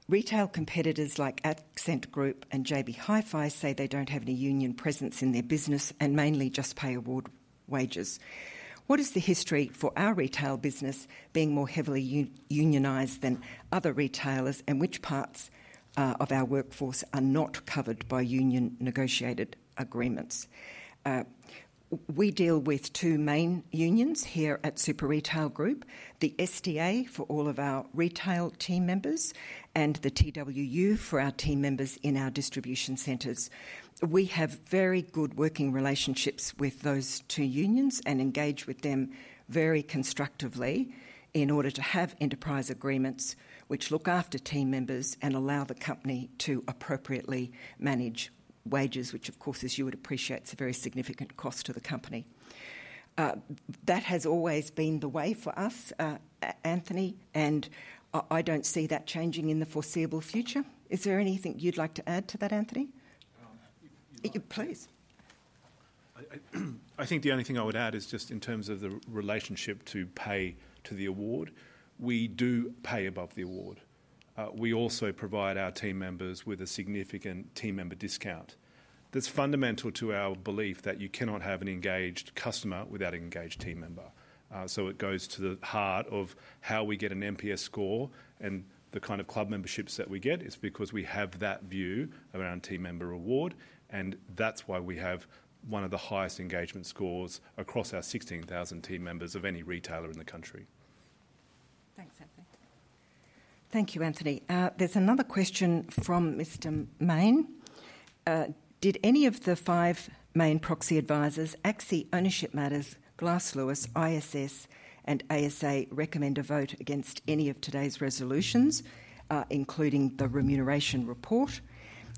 Retail competitors like Accent Group and JB Hi-Fi say they don't have any union presence in their business and mainly just pay award wages. What is the history for our retail business being more heavily unionized than other retailers, and which parts of our workforce are not covered by union-negotiated agreements?" We deal with two main unions here at Super Retail Group: the SDA for all of our retail team members and the TWU for our team members in our distribution centers. We have very good working relationships with those two unions and engage with them very constructively in order to have enterprise agreements which look after team members and allow the company to appropriately manage wages, which, of course, as you would appreciate, it's a very significant cost to the company. That has always been the way for us, Anthony, and I don't see that changing in the foreseeable future. Is there anything you'd like to add to that, Anthony? Um, if- Yeah, please. I think the only thing I would add is just in terms of the relationship to pay to the award. We do pay above the award. We also provide our team members with a significant team member discount. That's fundamental to our belief that you cannot have an engaged customer without an engaged team member. So it goes to the heart of how we get an NPS score and the kind of club memberships that we get is because we have that view around team member award, and that's why we have one of the highest engagement scores across our sixteen thousand team members of any retailer in the country. Thanks, Anthony. Thank you, Anthony. There's another question from Mr. Mayne. "Did any of the five main proxy advisors, ACSI, Ownership Matters, Glass Lewis, ISS, and ASA, recommend a vote against any of today's resolutions, including the remuneration report?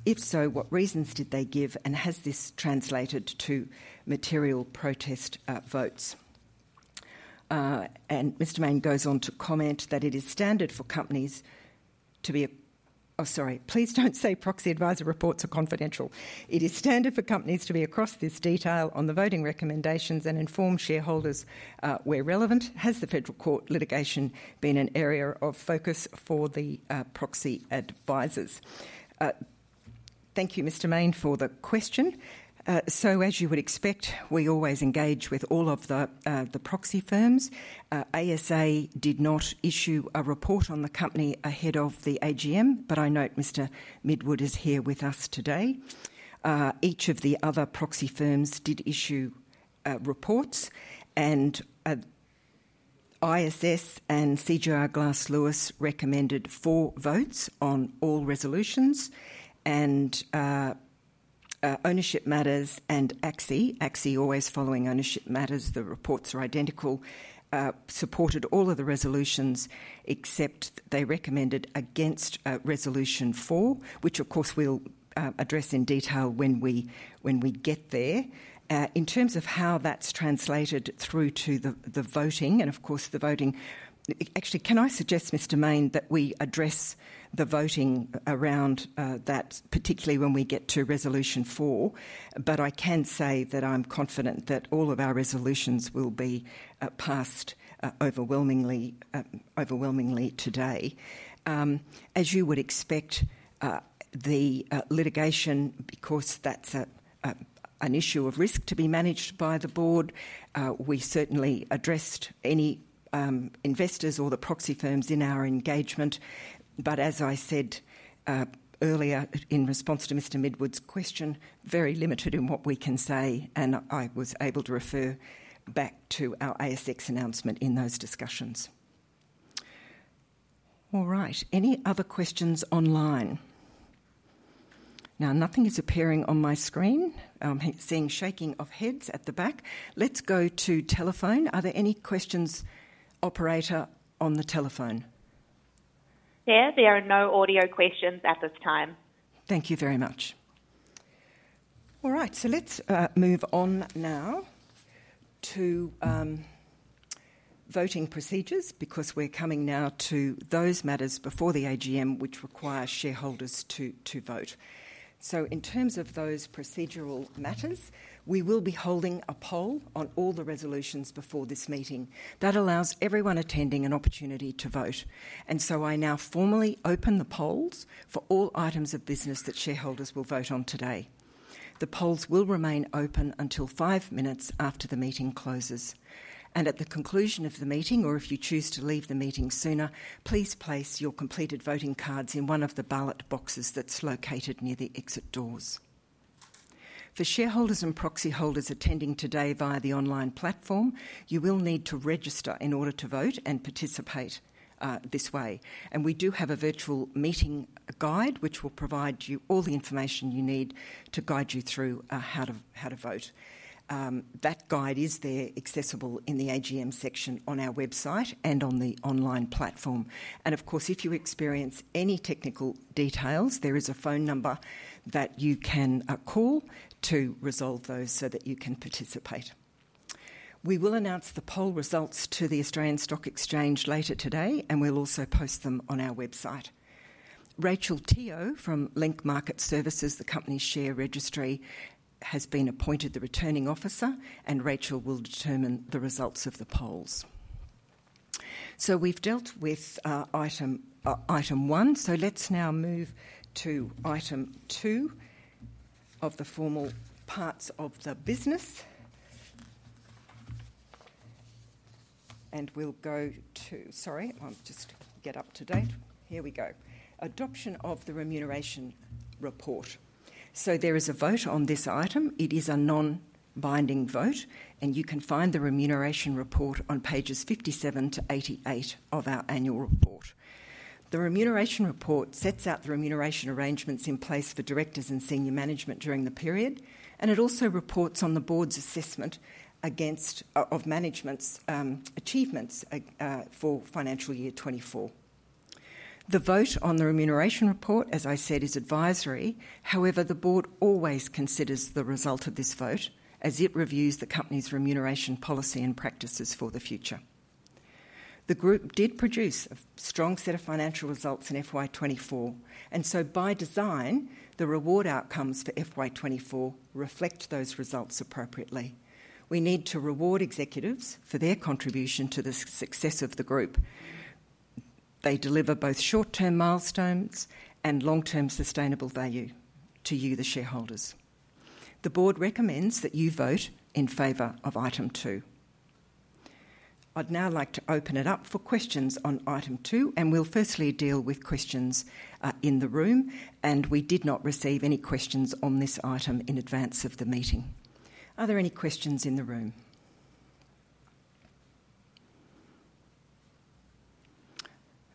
If so, what reasons did they give, and has this translated to material protest votes?" And Mr. Mayne goes on to comment that, "It is standard for companies to be..." Oh, sorry. "Please don't say proxy advisor reports are confidential. It is standard for companies to be across this detail on the voting recommendations and inform shareholders, where relevant. Has the Federal Court litigation been an area of focus for the proxy advisors?" Thank you, Mr. Mayne, for the question. So as you would expect, we always engage with all of the proxy firms. ASA did not issue a report on the company ahead of the AGM, but I note Mr. Midwood is here with us today. Each of the other proxy firms did issue reports, and ISS and Glass Lewis recommended for votes on all resolutions, and Ownership Matters and ACSI—ACSI always following Ownership Matters, the reports are identical, supported all of the resolutions, except they recommended against resolution four, which of course we'll address in detail when we get there. In terms of how that's translated through to the voting and, of course, the voting. Actually, can I suggest, Mr. Mayne, that we address the voting around that, particularly when we get to resolution four? But I can say that I'm confident that all of our resolutions will be passed overwhelmingly, overwhelmingly today. As you would expect, the litigation, because that's an issue of risk to be managed by the board, we certainly addressed any investors or the proxy firms in our engagement. But as I said, earlier in response to Mr. Midwood's question, very limited in what we can say, and I was able to refer back to our ASX announcement in those discussions. All right, any other questions online? Now, nothing is appearing on my screen. I'm seeing shaking of heads at the back. Let's go to telephone. Are there any questions, operator, on the telephone? Yeah, there are no audio questions at this time. Thank you very much. All right, so let's move on now to voting procedures because we're coming now to those matters before the AGM, which require shareholders to vote. So in terms of those procedural matters, we will be holding a poll on all the resolutions before this meeting. That allows everyone attending an opportunity to vote. And so I now formally open the polls for all items of business that shareholders will vote on today. The polls will remain open until five minutes after the meeting closes. And at the conclusion of the meeting, or if you choose to leave the meeting sooner, please place your completed voting cards in one of the ballot boxes that's located near the exit doors. For shareholders and proxy holders attending today via the online platform, you will need to register in order to vote and participate this way. And we do have a virtual meeting guide, which will provide you all the information you need to guide you through how to vote. That guide is there accessible in the AGM section on our website and on the online platform. And of course, if you experience any technical details, there is a phone number that you can call to resolve those so that you can participate. We will announce the poll results to the Australian Stock Exchange later today, and we'll also post them on our website. Rachel Teo from Link Market Services, the company's share registry, has been appointed Returning Officer, and Rachel will determine the results of the polls. So we've dealt with item one. So let's now move to item two of the formal parts of the business. And we'll go to... Sorry, I'll just get up to date. Here we go. Adoption of the Remuneration Report. There is a vote on this item. It is a non-binding vote, and you can find the Remuneration Report on pages 57 to 88 of our annual report. The Remuneration Report sets out the remuneration arrangements in place for directors and senior management during the period, and it also reports on the board's assessment of management's achievements for financial year 2024. The vote on the Remuneration Report, as I said, is advisory. However, the board always considers the result of this vote as it reviews the company's remuneration policy and practices for the future. The group did produce a strong set of financial results in FY 2024, and so by design, the reward outcomes for FY 2024 reflect those results appropriately. We need to reward executives for their contribution to the success of the group. They deliver both short-term milestones and long-term sustainable value to you, the shareholders. The board recommends that you vote in favor of item two. I'd now like to open it up for questions on item two, and we'll firstly deal with questions in the room, and we did not receive any questions on this item in advance of the meeting. Are there any questions in the room?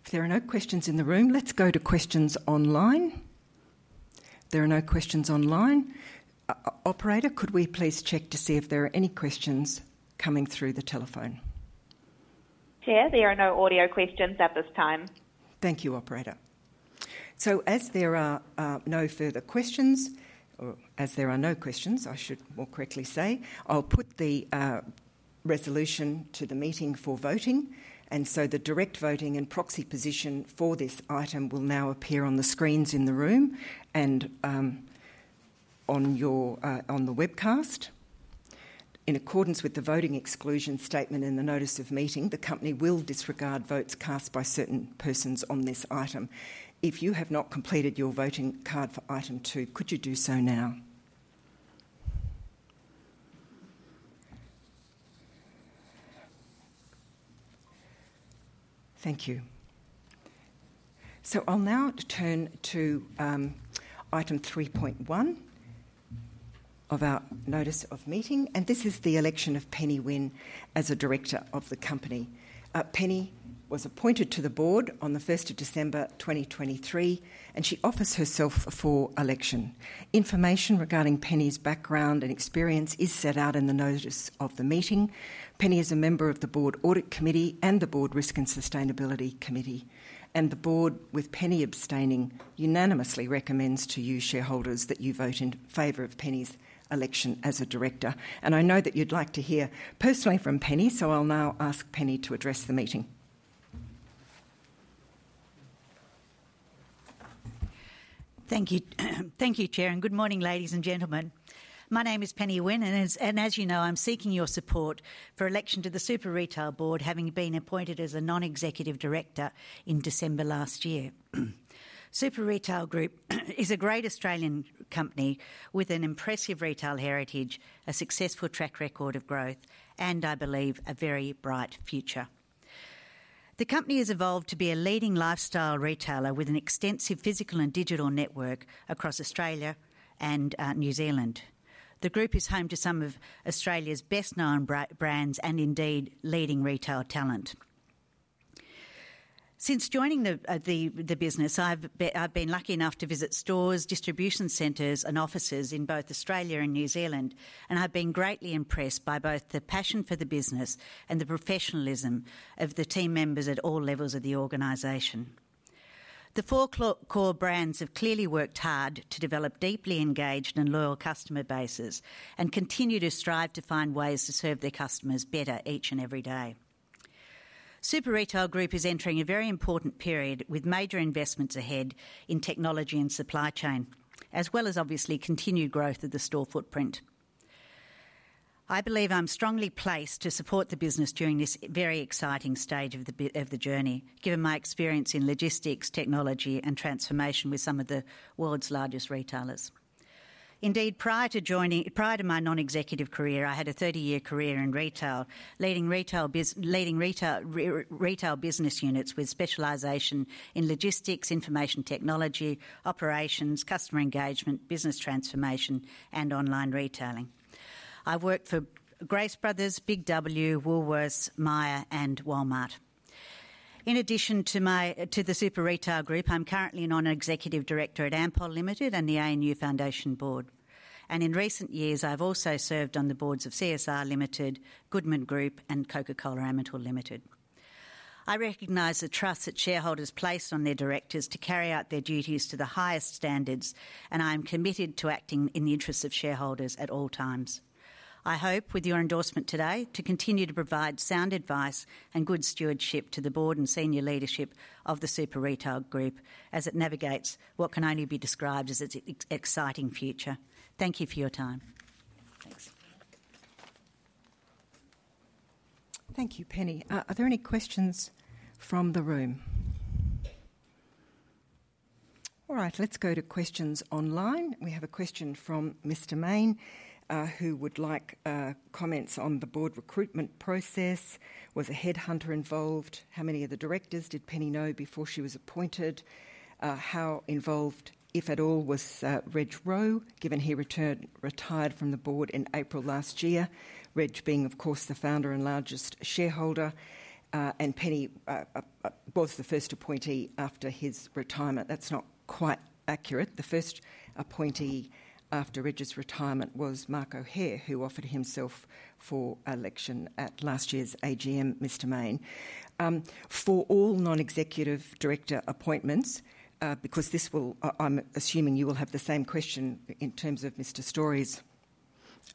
If there are no questions in the room, let's go to questions online. There are no questions online. Operator, could we please check to see if there are any questions coming through the telephone? Chair, there are no audio questions at this time. Thank you, operator. So as there are no further questions, or as there are no questions, I should more correctly say, I'll put the resolution to the meeting for voting, and so the direct voting and proxy position for this item will now appear on the screens in the room and on the webcast. In accordance with the voting exclusion statement in the notice of meeting, the company will disregard votes cast by certain persons on this item. If you have not completed your voting card for item two, could you do so now? Thank you. So I'll now turn to item three point one of our notice of meeting, and this is the election of Penny Winn as a director of the company. Penny was appointed to the board on the 1st of December 2023, and she offers herself for election. Information regarding Penny's background and experience is set out in the notice of the meeting. Penny is a member of the Board Audit Committee and the Board Risk and Sustainability Committee, and the Board, with Penny abstaining, unanimously recommends to you, shareholders, that you vote in favor of Penny's election as a director. And I know that you'd like to hear personally from Penny, so I'll now ask Penny to address the meeting. Thank you. Thank you, Chair, and good morning, ladies and gentlemen. My name is Penny Winn, and as you know, I'm seeking your support for election to the Super Retail board, having been appointed as a non-executive director in December last year. Super Retail Group is a great Australian company with an impressive retail heritage, a successful track record of growth, and I believe, a very bright future. The company has evolved to be a leading lifestyle retailer with an extensive physical and digital network across Australia and New Zealand. The group is home to some of Australia's best-known brands and indeed, leading retail talent. Since joining the business, I've been lucky enough to visit stores, distribution centers, and offices in both Australia and New Zealand, and I've been greatly impressed by both the passion for the business and the professionalism of the team members at all levels of the organization. The four core brands have clearly worked hard to develop deeply engaged and loyal customer bases and continue to strive to find ways to serve their customers better each and every day. Super Retail Group is entering a very important period with major investments ahead in technology and supply chain, as well as obviously continued growth of the store footprint. I believe I'm strongly placed to support the business during this very exciting stage of the journey, given my experience in logistics, technology, and transformation with some of the world's largest retailers. Indeed, prior to my non-executive career, I had a thirty-year career in retail, leading retail business units with specialization in logistics, information technology, operations, customer engagement, business transformation, and online retailing. I've worked for Grace Bros, Big W, Woolworths, Myer, and Walmart. In addition to my to the Super Retail Group, I'm currently a non-executive director at Ampol Limited and the ANU Foundation Board. And in recent years, I've also served on the boards of CSR Limited, Goodman Group, and Coca-Cola Amatil Limited. I recognize the trust that shareholders place on their directors to carry out their duties to the highest standards, and I am committed to acting in the interests of shareholders at all times. I hope, with your endorsement today, to continue to provide sound advice and good stewardship to the board and senior leadership of the Super Retail Group as it navigates what can only be described as its exciting future. Thank you for your time. Thanks. Thank you, Penny. Are there any questions from the room? All right, let's go to questions online. We have a question from Mr. Mayne, who would like comments on the board recruitment process. Was a headhunter involved? How many of the directors did Penny know before she was appointed? How involved, if at all, was Reg Rowe, given he retired from the board in April last year? Reg being, of course, the founder and largest shareholder, and Penny was the first appointee after his retirement. That's not quite accurate. The first appointee after Reg's retirement was Mark O'Hare, who offered himself for election at last year's AGM, Mr. Mayne. For all non-executive director appointments, I'm assuming you will have the same question in terms of Mr. Storrie's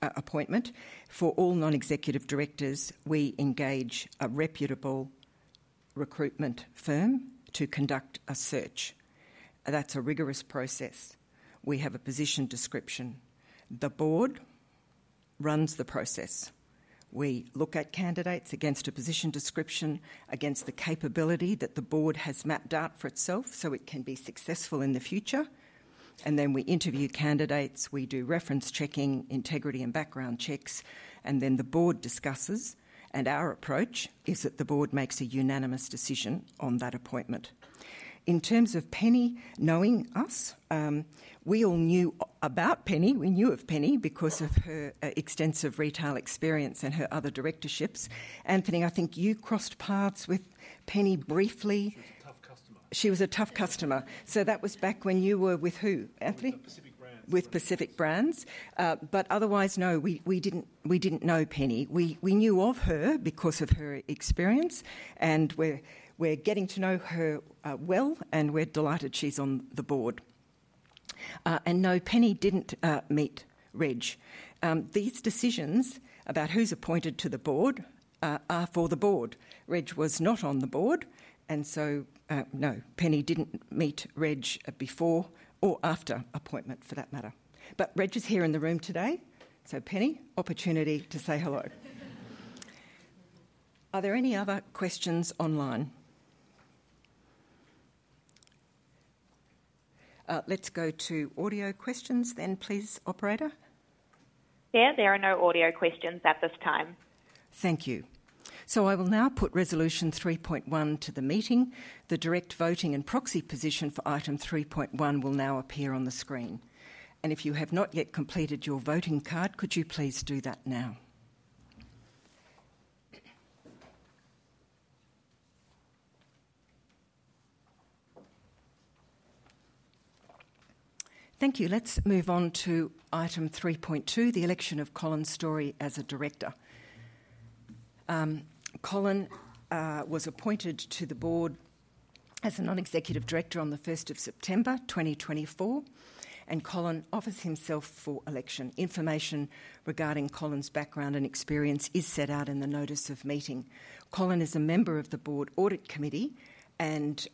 appointment. For all non-executive directors, we engage a reputable recruitment firm to conduct a search. That's a rigorous process. We have a position description. The board runs the process. We look at candidates against a position description, against the capability that the board has mapped out for itself, so it can be successful in the future, and then we interview candidates. We do reference checking, integrity, and background checks, and then the board discusses, and our approach is that the board makes a unanimous decision on that appointment. In terms of Penny knowing us, we all knew about Penny. We knew of Penny because of her extensive retail experience and her other directorships. Anthony, I think you crossed paths with Penny briefly. She was a tough customer. She was a tough customer. So that was back when you were with who, Anthony? With Pacific Brands. With Pacific Brands. But otherwise, no, we didn't know Penny. We knew of her because of her experience, and we're getting to know her well, and we're delighted she's on the board. And no, Penny didn't meet Reg. These decisions about who's appointed to the board are for the board. Reg was not on the board, and so no, Penny didn't meet Reg before or after appointment, for that matter. But Reg is here in the room today, so Penny, opportunity to say hello. Are there any other questions online? Let's go to audio questions then, please, operator. Yeah, there are no audio questions at this time. Thank you. So I will now put resolution three point one to the meeting. The direct voting and proxy position for item three point one will now appear on the screen, and if you have not yet completed your voting card, could you please do that now? Thank you. Let's move on to item three point two, the election of Colin Storrie as a director. Colin was appointed to the board as a non-executive director on the 1st of September, twenty twenty-four, and Colin offers himself for election. Information regarding Colin's background and experience is set out in the notice of meeting. Colin is a member of the Board Audit Committee and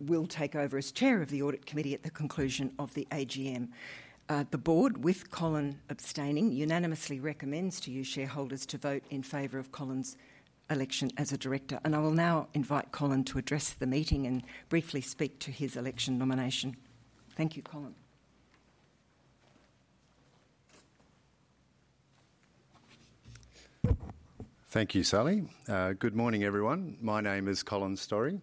will take over as chair of the Audit Committee at the conclusion of the AGM. The board, with Colin abstaining, unanimously recommends to you, shareholders, to vote in favor of Colin's election as a director, and I will now invite Colin to address the meeting and briefly speak to his election nomination. Thank you, Colin. Thank you, Sally. Good morning, everyone. My name is Colin Storrie,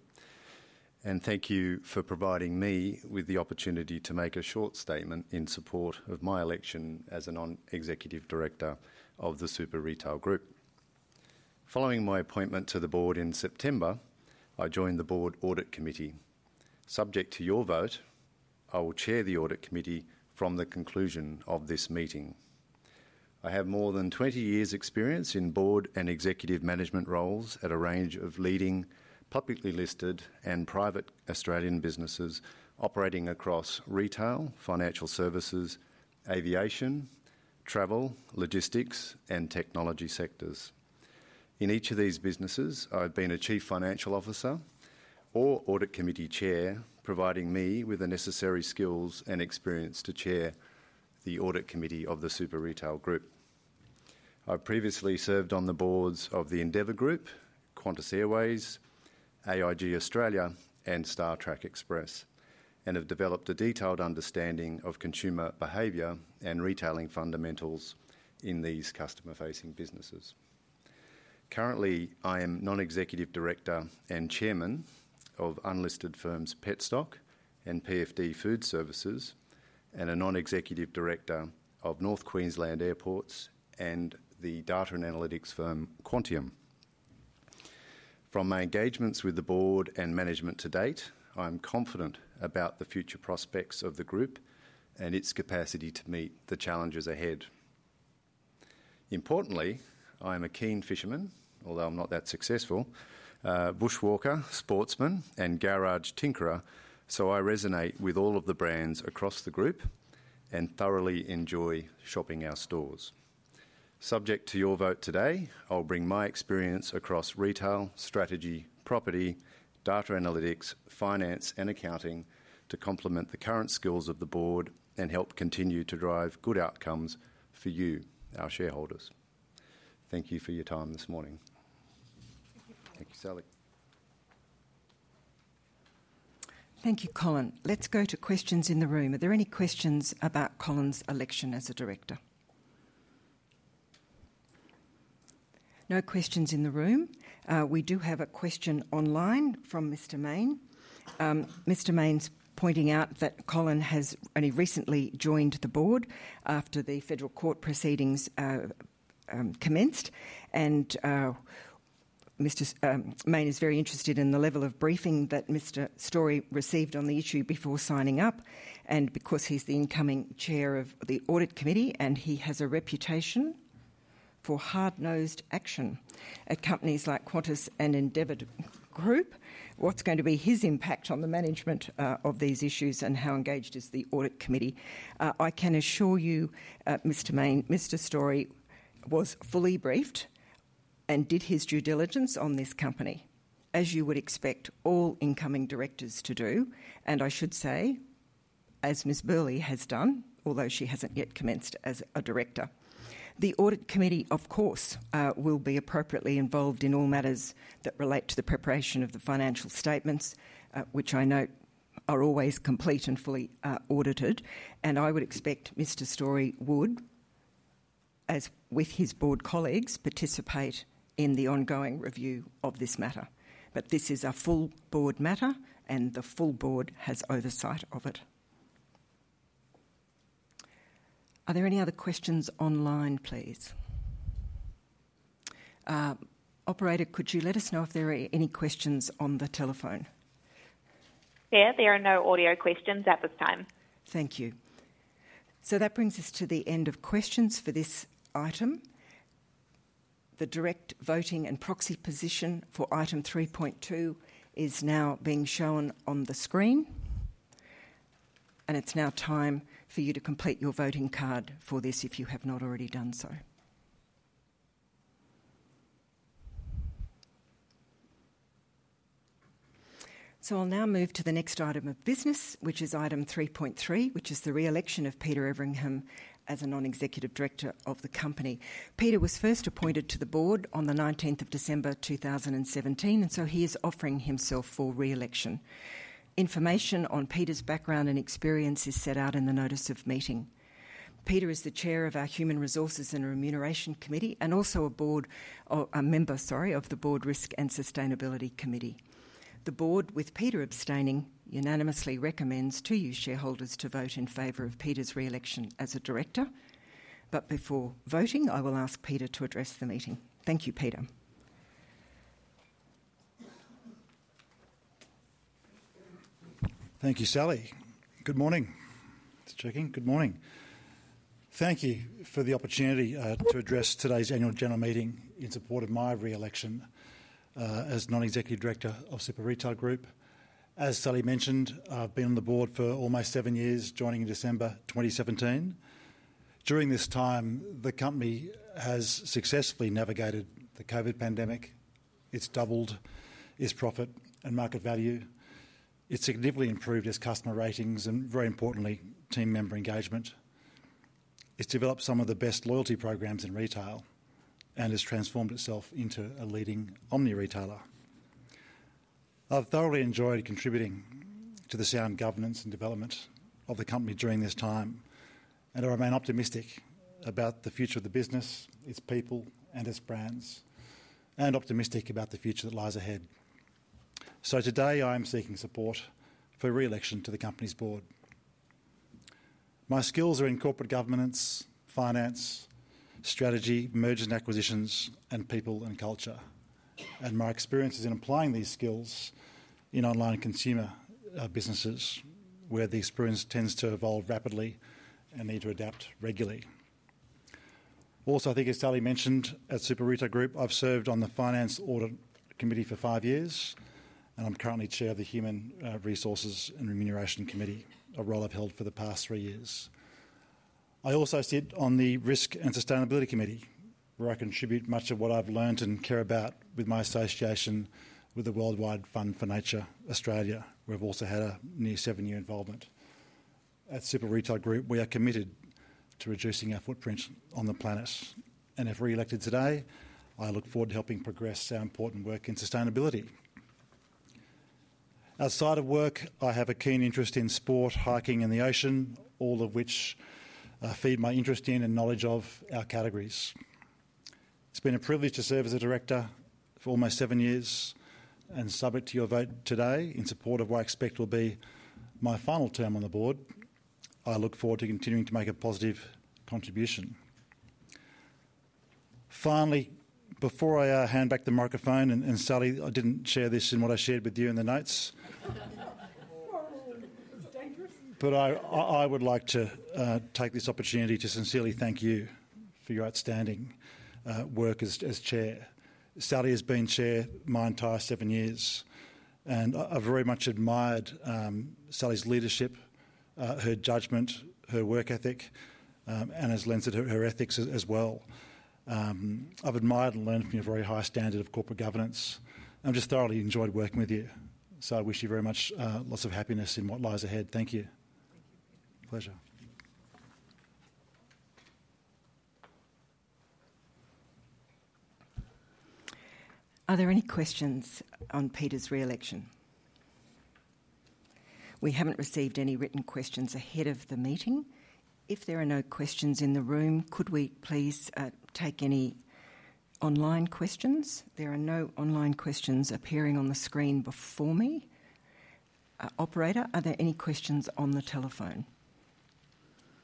and thank you for providing me with the opportunity to make a short statement in support of my election as a non-executive director of the Super Retail Group. Following my appointment to the board in September, I joined the board audit committee. Subject to your vote, I will chair the audit committee from the conclusion of this meeting. I have more than twenty years' experience in board and executive management roles at a range of leading publicly listed and private Australian businesses operating across retail, financial services, aviation, travel, logistics, and technology sectors. In each of these businesses, I've been a chief financial officer or audit committee chair, providing me with the necessary skills and experience to chair the audit committee of the Super Retail Group.... I've previously served on the boards of the Endeavour Group, Qantas Airways, AIG Australia, and StarTrack, and have developed a detailed understanding of consumer behavior and retailing fundamentals in these customer-facing businesses. Currently, I am Non-Executive Director and Chairman of unlisted firms Petstock and PFD Food Services, and a Non-Executive Director of North Queensland Airports and the data and analytics firm Quantium. From my engagements with the board and management to date, I'm confident about the future prospects of the group and its capacity to meet the challenges ahead. Importantly, I am a keen fisherman, although I'm not that successful, bushwalker, sportsman, and garage tinkerer, so I resonate with all of the brands across the group and thoroughly enjoy shopping our stores. Subject to your vote today, I'll bring my experience across retail, strategy, property, data analytics, finance, and accounting to complement the current skills of the board and help continue to drive good outcomes for you, our shareholders. Thank you for your time this morning. Thank you, Colin. Thank you, Sally. Thank you, Colin. Let's go to questions in the room. Are there any questions about Colin's election as a director? No questions in the room. We do have a question online from Mr. Mayne. Mr. Mayne's pointing out that Colin has only recently joined the board after the federal court proceedings commenced. Mr. Mayne is very interested in the level of briefing that Mr. Storrie received on the issue before signing up, and because he's the incoming chair of the audit committee, and he has a reputation for hard-nosed action at companies like Qantas and Endeavour Group. What's going to be his impact on the management of these issues, and how engaged is the audit committee? I can assure you, Mr. Mayne, Mr. Storrie was fully briefed and did his due diligence on this company, as you would expect all incoming directors to do, and I should say, as Ms. Swales has done, although she hasn't yet commenced as a director. The audit committee, of course, will be appropriately involved in all matters that relate to the preparation of the financial statements, which I know are always complete and fully audited, and I would expect Mr. Storrie would, as with his board colleagues, participate in the ongoing review of this matter, but this is a full board matter, and the full board has oversight of it. Are there any other questions online, please? Operator, could you let us know if there are any questions on the telephone? Yeah, there are no audio questions at this time. Thank you. So that brings us to the end of questions for this item. The direct voting and proxy position for item three point two is now being shown on the screen, and it's now time for you to complete your voting card for this if you have not already done so. So I'll now move to the next item of business, which is item three point three, which is the re-election of Peter Everingham as a Non-Executive Director of the company. Peter was first appointed to the board on the nineteenth of December, two thousand and seventeen, and so he is offering himself for re-election. Information on Peter's background and experience is set out in the notice of meeting. Peter is the Chair of our Human Resources and Remuneration Committee, and also a member, sorry, of the Board Risk and Sustainability Committee. The board, with Peter abstaining, unanimously recommends to you, shareholders, to vote in favor of Peter's re-election as a director. But before voting, I will ask Peter to address the meeting. Thank you, Peter. Thank you, Sally. Good morning. Just checking. Good morning. Thank you for the opportunity to address today's annual general meeting in support of my re-election as Non-Executive Director of Super Retail Group. As Sally mentioned, I've been on the board for almost seven years, joining in December 2017. During this time, the company has successfully navigated the COVID pandemic. It's doubled its profit and market value. It's significantly improved its customer ratings and, very importantly, team member engagement. It's developed some of the best loyalty programs in retail and has transformed itself into a leading omni-retailer. I've thoroughly enjoyed contributing to the sound governance and development of the company during this time, and I remain optimistic about the future of the business, its people, and its brands, and optimistic about the future that lies ahead. So today, I'm seeking support for re-election to the company's board. My skills are in corporate governance, finance, strategy, mergers and acquisitions, and people and culture, and my experience is in applying these skills in online consumer businesses, where the experience tends to evolve rapidly and need to adapt regularly. Also, I think as Sally mentioned, at Super Retail Group, I've served on the Finance Audit Committee for five years, and I'm currently Chair of the Human Resources and Remuneration Committee, a role I've held for the past three years. I also sit on the Risk and Sustainability Committee, where I contribute much of what I've learned and care about with my association with the Worldwide Fund for Nature Australia, where I've also had a near seven-year involvement. At Super Retail Group, we are committed to reducing our footprint on the planet. If re-elected today, I look forward to helping progress our important work in sustainability. Outside of work, I have a keen interest in sport, hiking, and the ocean, all of which feed my interest in and knowledge of our categories. It's been a privilege to serve as a director for almost seven years, and subject to your vote today, in support of what I expect will be my final term on the board, I look forward to continuing to make a positive contribution. Finally, before I hand back the microphone, and Sally, I didn't share this in what I shared with you in the notes- It's dangerous. But I would like to take this opportunity to sincerely thank you for your outstanding work as Chair. Sally has been Chair my entire seven years, and I've very much admired Sally's leadership, her judgment, her work ethic, and as well, her ethics as well. I've admired and learned from your very high standard of corporate governance, and I've just thoroughly enjoyed working with you. So I wish you very much lots of happiness in what lies ahead. Thank you. Thank you, Peter. Pleasure. Are there any questions on Peter's re-election? We haven't received any written questions ahead of the meeting. If there are no questions in the room, could we please take any online questions? There are no online questions appearing on the screen before me. Operator, are there any questions on the telephone?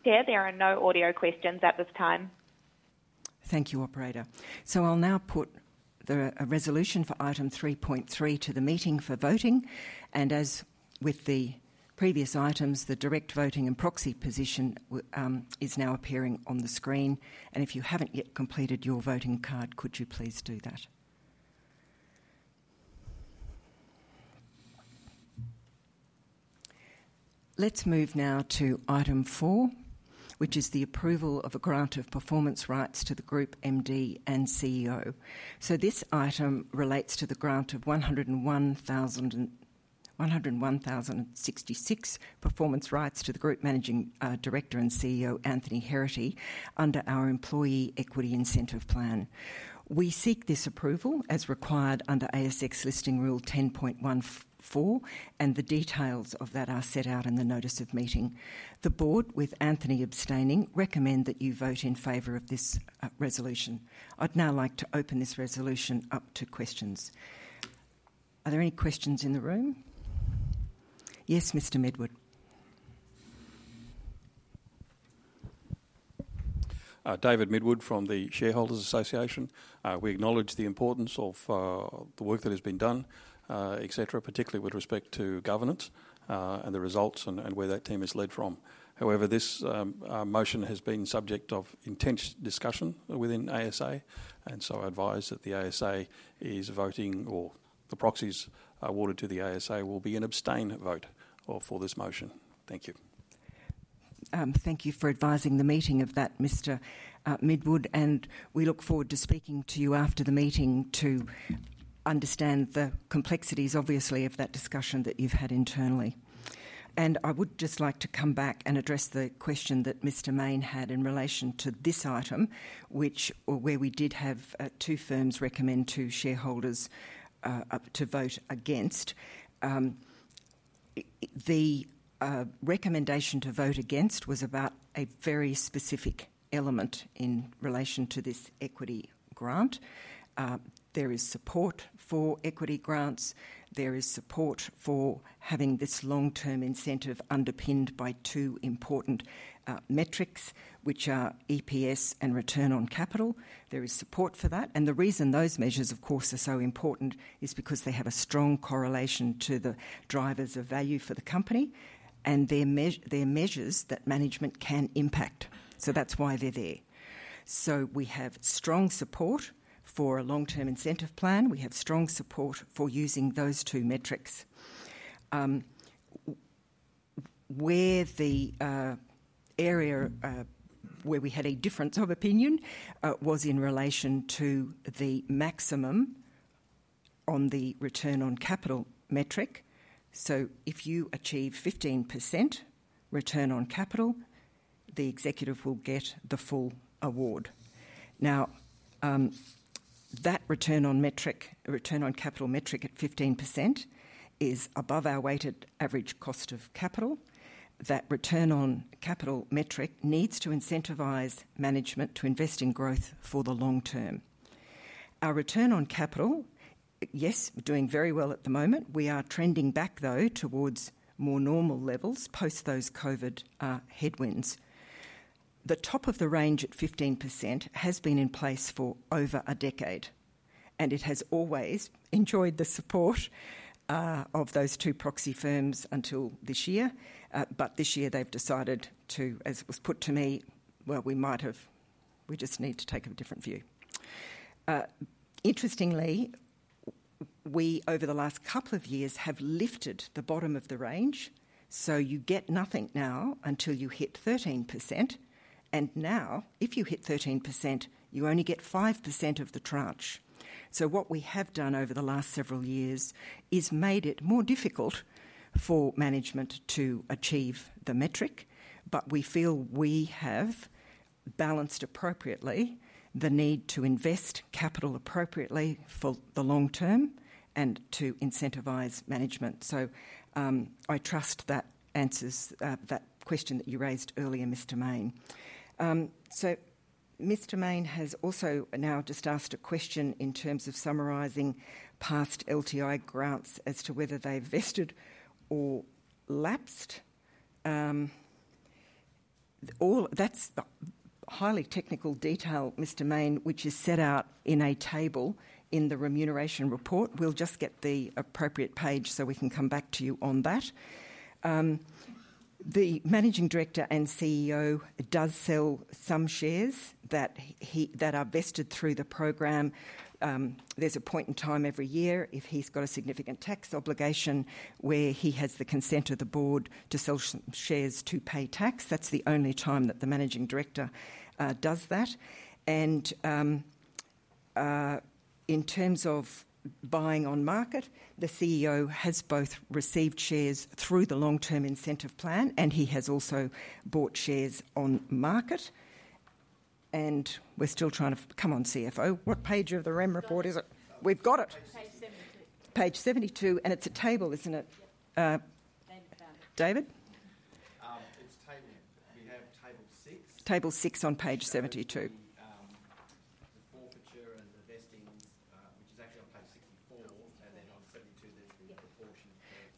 Yeah, there are no audio questions at this time. Thank you, operator. So I'll now put the resolution for item three point three to the meeting for voting, and as with the previous items, the direct voting and proxy position is now appearing on the screen. And if you haven't yet completed your voting card, could you please do that? Let's move now to item four, which is the approval of a grant of performance rights to the group MD and CEO. This item relates to the grant of one hundred and one thousand and sixty-six performance rights to the Group Managing Director and CEO, Anthony Heraghty, under our employee equity incentive plan. We seek this approval as required under ASX Listing Rule 10.14, and the details of that are set out in the notice of meeting. The board, with Anthony abstaining, recommends that you vote in favor of this resolution. I'd now like to open this resolution up to questions. Are there any questions in the room? Yes, Mr. Midwood. David Midwood from the Shareholders Association. We acknowledge the importance of the work that has been done, et cetera, particularly with respect to governance, and the results and where that team has led from. However, this motion has been subject of intense discussion within ASA, and so I advise that the ASA is voting, or the proxies awarded to the ASA will be an abstain vote, for this motion. Thank you. Thank you for advising the meeting of that, Mr. Midwood, and we look forward to speaking to you after the meeting to understand the complexities, obviously, of that discussion that you've had internally. I would just like to come back and address the question that Mr. Mayne had in relation to this item, which, where we did have two firms recommend to shareholders to vote against. The recommendation to vote against was about a very specific element in relation to this equity grant. There is support for equity grants. There is support for having this long-term incentive underpinned by two important metrics, which are EPS and return on capital. There is support for that, and the reason those measures, of course, are so important is because they have a strong correlation to the drivers of value for the company, and they're measures that management can impact. So that's why they're there. So we have strong support for a long-term incentive plan. We have strong support for using those two metrics. Where the area where we had a difference of opinion was in relation to the maximum on the return on capital metric. So if you achieve 15% return on capital, the executive will get the full award. Now, that return on metric, return on capital metric at 15% is above our weighted average cost of capital. That return on capital metric needs to incentivize management to invest in growth for the long term. Our return on capital, yes, we're doing very well at the moment. We are trending back, though, towards more normal levels post those COVID headwinds. The top of the range at 15% has been in place for over a decade, and it has always enjoyed the support of those two proxy firms until this year. But this year, they've decided to, as it was put to me, "Well, we might have... We just need to take a different view." Interestingly, we, over the last couple of years, have lifted the bottom of the range, so you get nothing now until you hit 13%. And now, if you hit 13%, you only get 5% of the tranche. What we have done over the last several years is made it more difficult for management to achieve the metric, but we feel we have balanced appropriately the need to invest capital appropriately for the long term and to incentivize management. I trust that answers that question that you raised earlier, Mr. Mayne. Mr. Mayne has also now just asked a question in terms of summarizing past LTI grants as to whether they vested or lapsed. That's highly technical detail, Mr. Mayne, which is set out in a table in the remuneration report. We'll just get the appropriate page so we can come back to you on that. The Managing Director and CEO does sell some shares that are vested through the program. There's a point in time every year, if he's got a significant tax obligation, where he has the consent of the board to sell some shares to pay tax. That's the only time that the managing director does that. And in terms of buying on market, the CEO has both received shares through the long-term incentive plan, and he has also bought shares on market. And we're still trying to... Come on, CFO, what page of the remuneration report is it? We've got it. Page 72. Page 72, and it's a table, isn't it? Yep. David found it. David? We have table six. Table six on page seventy-two.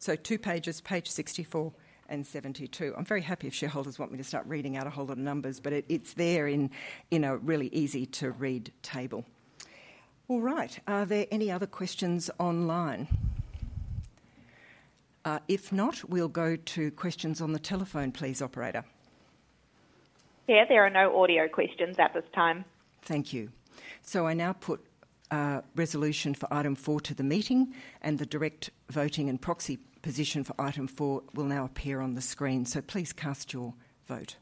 So it'll be the forfeiture and the vesting, which is actually on page 64, and then on 72, there's the proportion. Two pages, page sixty-four and seventy-two. I'm very happy if shareholders want me to start reading out a whole lot of numbers, but it's there in a really easy-to-read table. All right. Are there any other questions online? If not, we'll go to questions on the telephone, please, operator. Yeah, there are no audio questions at this time. Thank you. So I now put a resolution for item four to the meeting, and the direct voting and proxy position for item four will now appear on the screen. So please cast your vote.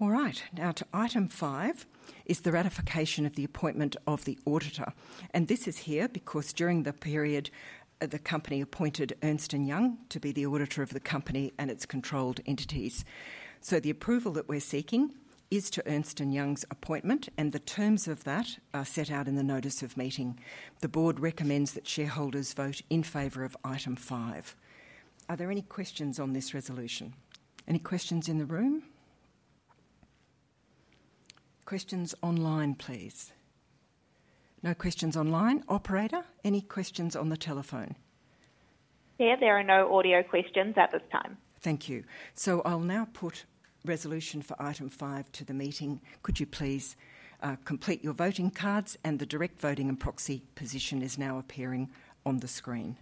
All right. Now to item five, is the ratification of the appointment of the auditor, and this is here because during the period, the company appointed Ernst & Young to be the auditor of the company and its controlled entities. So the approval that we're seeking is to Ernst & Young's appointment, and the terms of that are set out in the notice of meeting. The board recommends that shareholders vote in favor of item five. Are there any questions on this resolution? Any questions in the room? Questions online, please. No questions online. Operator, any questions on the telephone? Yeah, there are no audio questions at this time. Thank you. So I'll now put resolution for item five to the meeting. Could you please complete your voting cards, and the direct voting and proxy position is now appearing on the screen.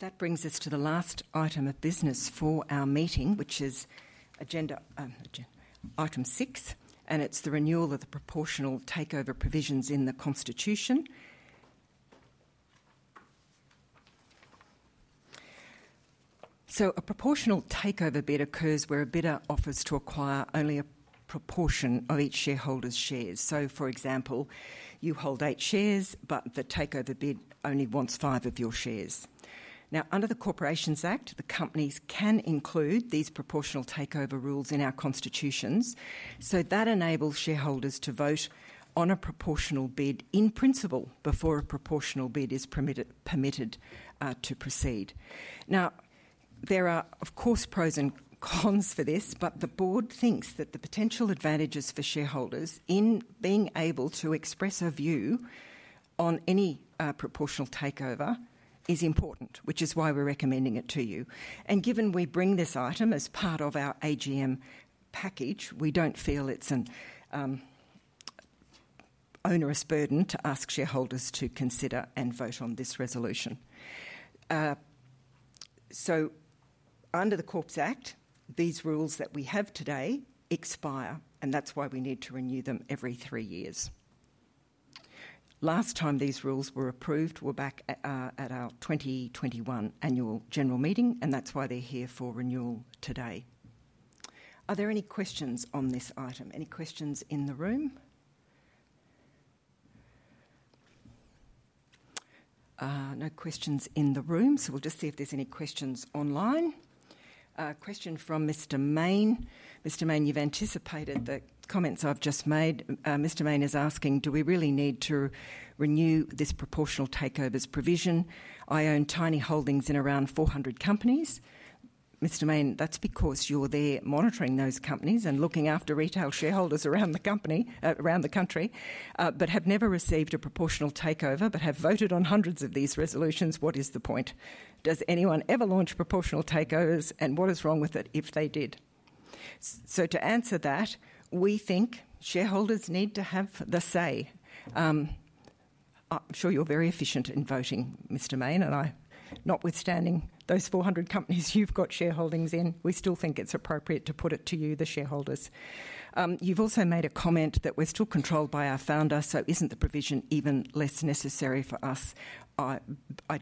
That brings us to the last item of business for our meeting, which is agenda item six, and it's the renewal of the Proportional Takeover Provisions in the constitution. So a proportional takeover bid occurs where a bidder offers to acquire only a proportion of each shareholder's shares. So, for example, you hold eight shares, but the takeover bid only wants five of your shares. Now, under the Corporations Act, the companies can include these proportional takeover rules in our constitutions, so that enables shareholders to vote on a proportional bid in principle before a proportional bid is permitted to proceed. Now, there are, of course, pros and cons for this, but the board thinks that the potential advantages for shareholders in being able to express a view on any proportional takeover is important, which is why we're recommending it to you. And given we bring this item as part of our AGM package, we don't feel it's an onerous burden to ask shareholders to consider and vote on this resolution. So under the Corporations Act, these rules that we have today expire, and that's why we need to renew them every three years. Last time these rules were approved were back at our twenty twenty-one annual general meeting, and that's why they're here for renewal today. Are there any questions on this item? Any questions in the room? No questions in the room, so we'll just see if there's any questions online. A question from Mr. Mayne. Mr. Mayne, you've anticipated the comments I've just made. Mr. Mayne is asking: "Do we really need to renew this proportional takeovers provision? I own tiny holdings in around four hundred companies." Mr. Mayne, that's because you're there monitoring those companies and looking after retail shareholders around the country, "but have never received a proportional takeover, but have voted on hundreds of these resolutions. What is the point? Does anyone ever launch proportional takeovers, and what is wrong with it if they did?" So to answer that, we think shareholders need to have the say. I'm sure you're very efficient in voting, Mr. Mayne, and I, notwithstanding those four hundred companies you've got shareholdings in, we still think it's appropriate to put it to you, the shareholders. You've also made a comment that we're still controlled by our founder, so isn't the provision even less necessary for us? I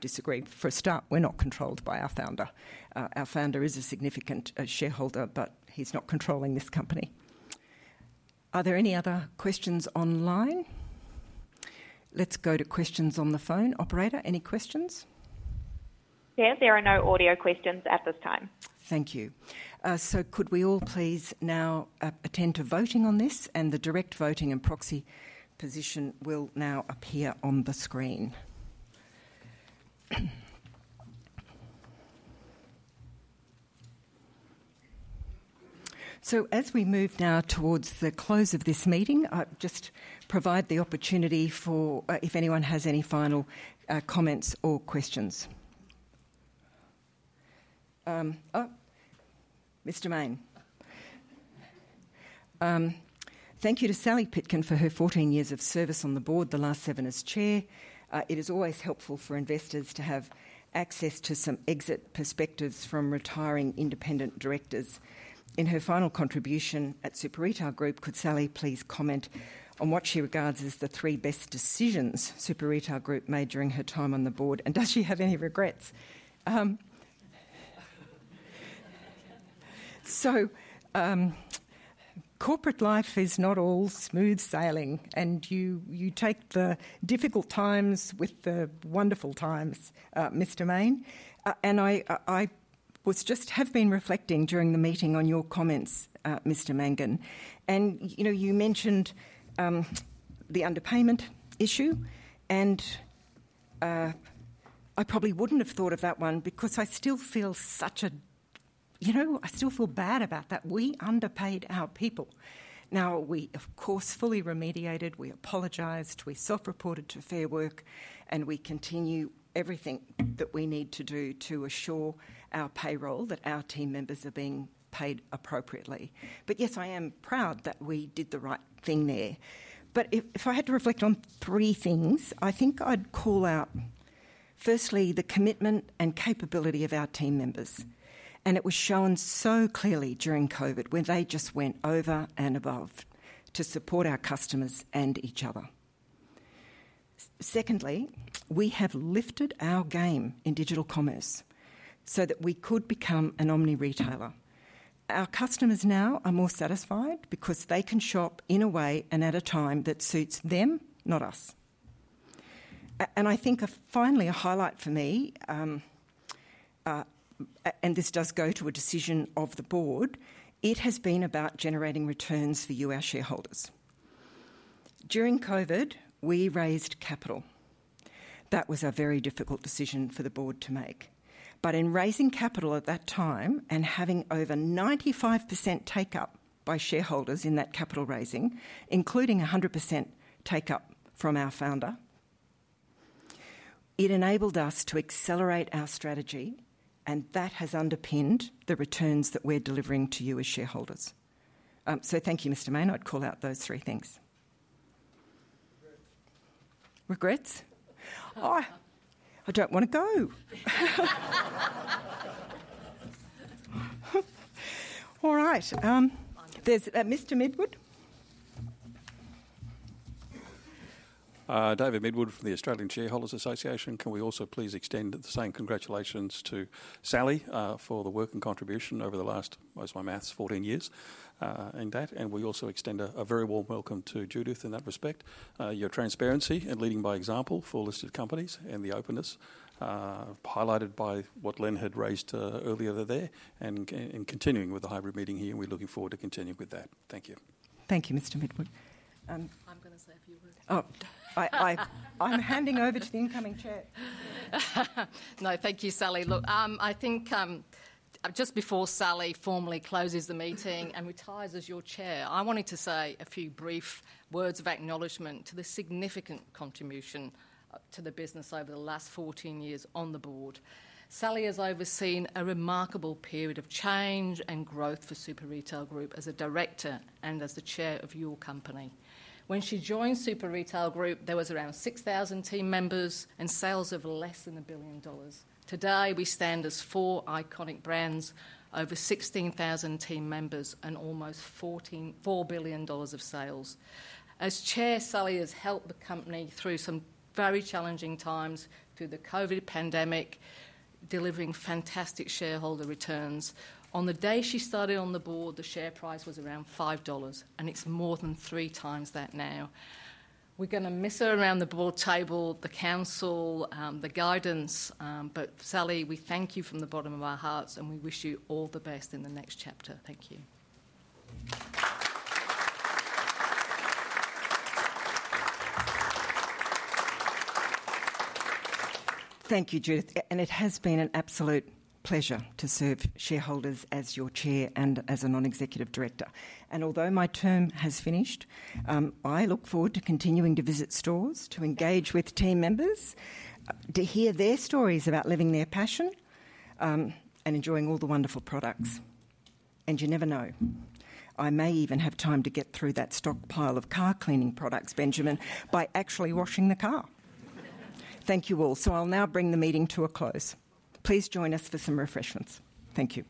disagree. For a start, we're not controlled by our founder. Our founder is a significant shareholder, but he's not controlling this company. Are there any other questions online? Let's go to questions on the phone. Operator, any questions? Yeah, there are no audio questions at this time. Thank you. So could we all please now attend to voting on this? And the direct voting and proxy position will now appear on the screen. So as we move now towards the close of this meeting, I just provide the opportunity for if anyone has any final comments or questions. Oh, Mr. Mayne. "Thank you to Sally Pitkin for her fourteen years of service on the board, the last seven as chair. It is always helpful for investors to have access to some exit perspectives from retiring independent directors. In her final contribution at Super Retail Group, could Sally please comment on what she regards as the three best decisions Super Retail Group made during her time on the board, and does she have any regrets? So, corporate life is not all smooth sailing, and you take the difficult times with the wonderful times, Mr. Mayne. And I was just-- have been reflecting during the meeting on your comments, Mr. Mangan. And, you know, you mentioned the underpayment issue, and I probably wouldn't have thought of that one because I still feel such a... You know, I still feel bad about that. We underpaid our people. Now, we of course fully remediated, we apologized, we self-reported to Fair Work, and we continue everything that we need to do to assure our payroll, that our team members are being paid appropriately. But yes, I am proud that we did the right thing there. But if, if I had to reflect on three things, I think I'd call out, firstly, the commitment and capability of our team members, and it was shown so clearly during COVID, when they just went over and above to support our customers and each other. Secondly, we have lifted our game in digital commerce so that we could become an omni-retailer. Our customers now are more satisfied because they can shop in a way and at a time that suits them, not us. I think, finally, a highlight for me, and this does go to a decision of the board. It has been about generating returns for you, our shareholders. During COVID, we raised capital. That was a very difficult decision for the board to make. But in raising capital at that time and having over 95% take-up by shareholders in that capital raising, including 100% take-up from our founder, it enabled us to accelerate our strategy, and that has underpinned the returns that we're delivering to you as shareholders. So thank you, Mr. Mayne. I'd call out those three things. Regrets? Regrets? Oh, I don't want to go. All right, there's Mr. Midwood. David Midwood from the Australian Shareholders Association. Can we also please extend the same congratulations to Sally for the work and contribution over the last, where's my maths? 14 years, and that, and we also extend a very warm welcome to Judith in that respect. Your transparency and leading by example for listed companies and the openness, highlighted by what Len had raised, earlier today, and continuing with the hybrid meeting here, we're looking forward to continuing with that. Thank you. Thank you, Mr. Midwood. I'm gonna say a few words. I'm handing over to the incoming chair. No, thank you, Sally. Look, I think, just before Sally formally closes the meeting and retires as your chair, I wanted to say a few brief words of acknowledgement to the significant contribution to the business over the last 14 years on the board. Sally has overseen a remarkable period of change and growth for Super Retail Group as a director and as the chair of your company. When she joined Super Retail Group, there was around 6,000 team members and sales of less than 1 billion dollars. Today, we stand as four iconic brands, over 16,000 team members, and almost 4 billion dollars of sales. As chair, Sally has helped the company through some very challenging times, through the COVID pandemic, delivering fantastic shareholder returns. On the day she started on the board, the share price was around 5 dollars, and it's more than three times that now. We're gonna miss her around the board table, the council, the guidance, but Sally, we thank you from the bottom of our hearts, and we wish you all the best in the next chapter. Thank you. Thank you, Judith. And it has been an absolute pleasure to serve shareholders as your chair and as a non-executive director. And although my term has finished, I look forward to continuing to visit stores, to engage with team members, to hear their stories about living their passion, and enjoying all the wonderful products. And you never know, I may even have time to get through that stockpile of car cleaning products, Benjamin, by actually washing the car. Thank you all. So I'll now bring the meeting to a close. Please join us for some refreshments. Thank you.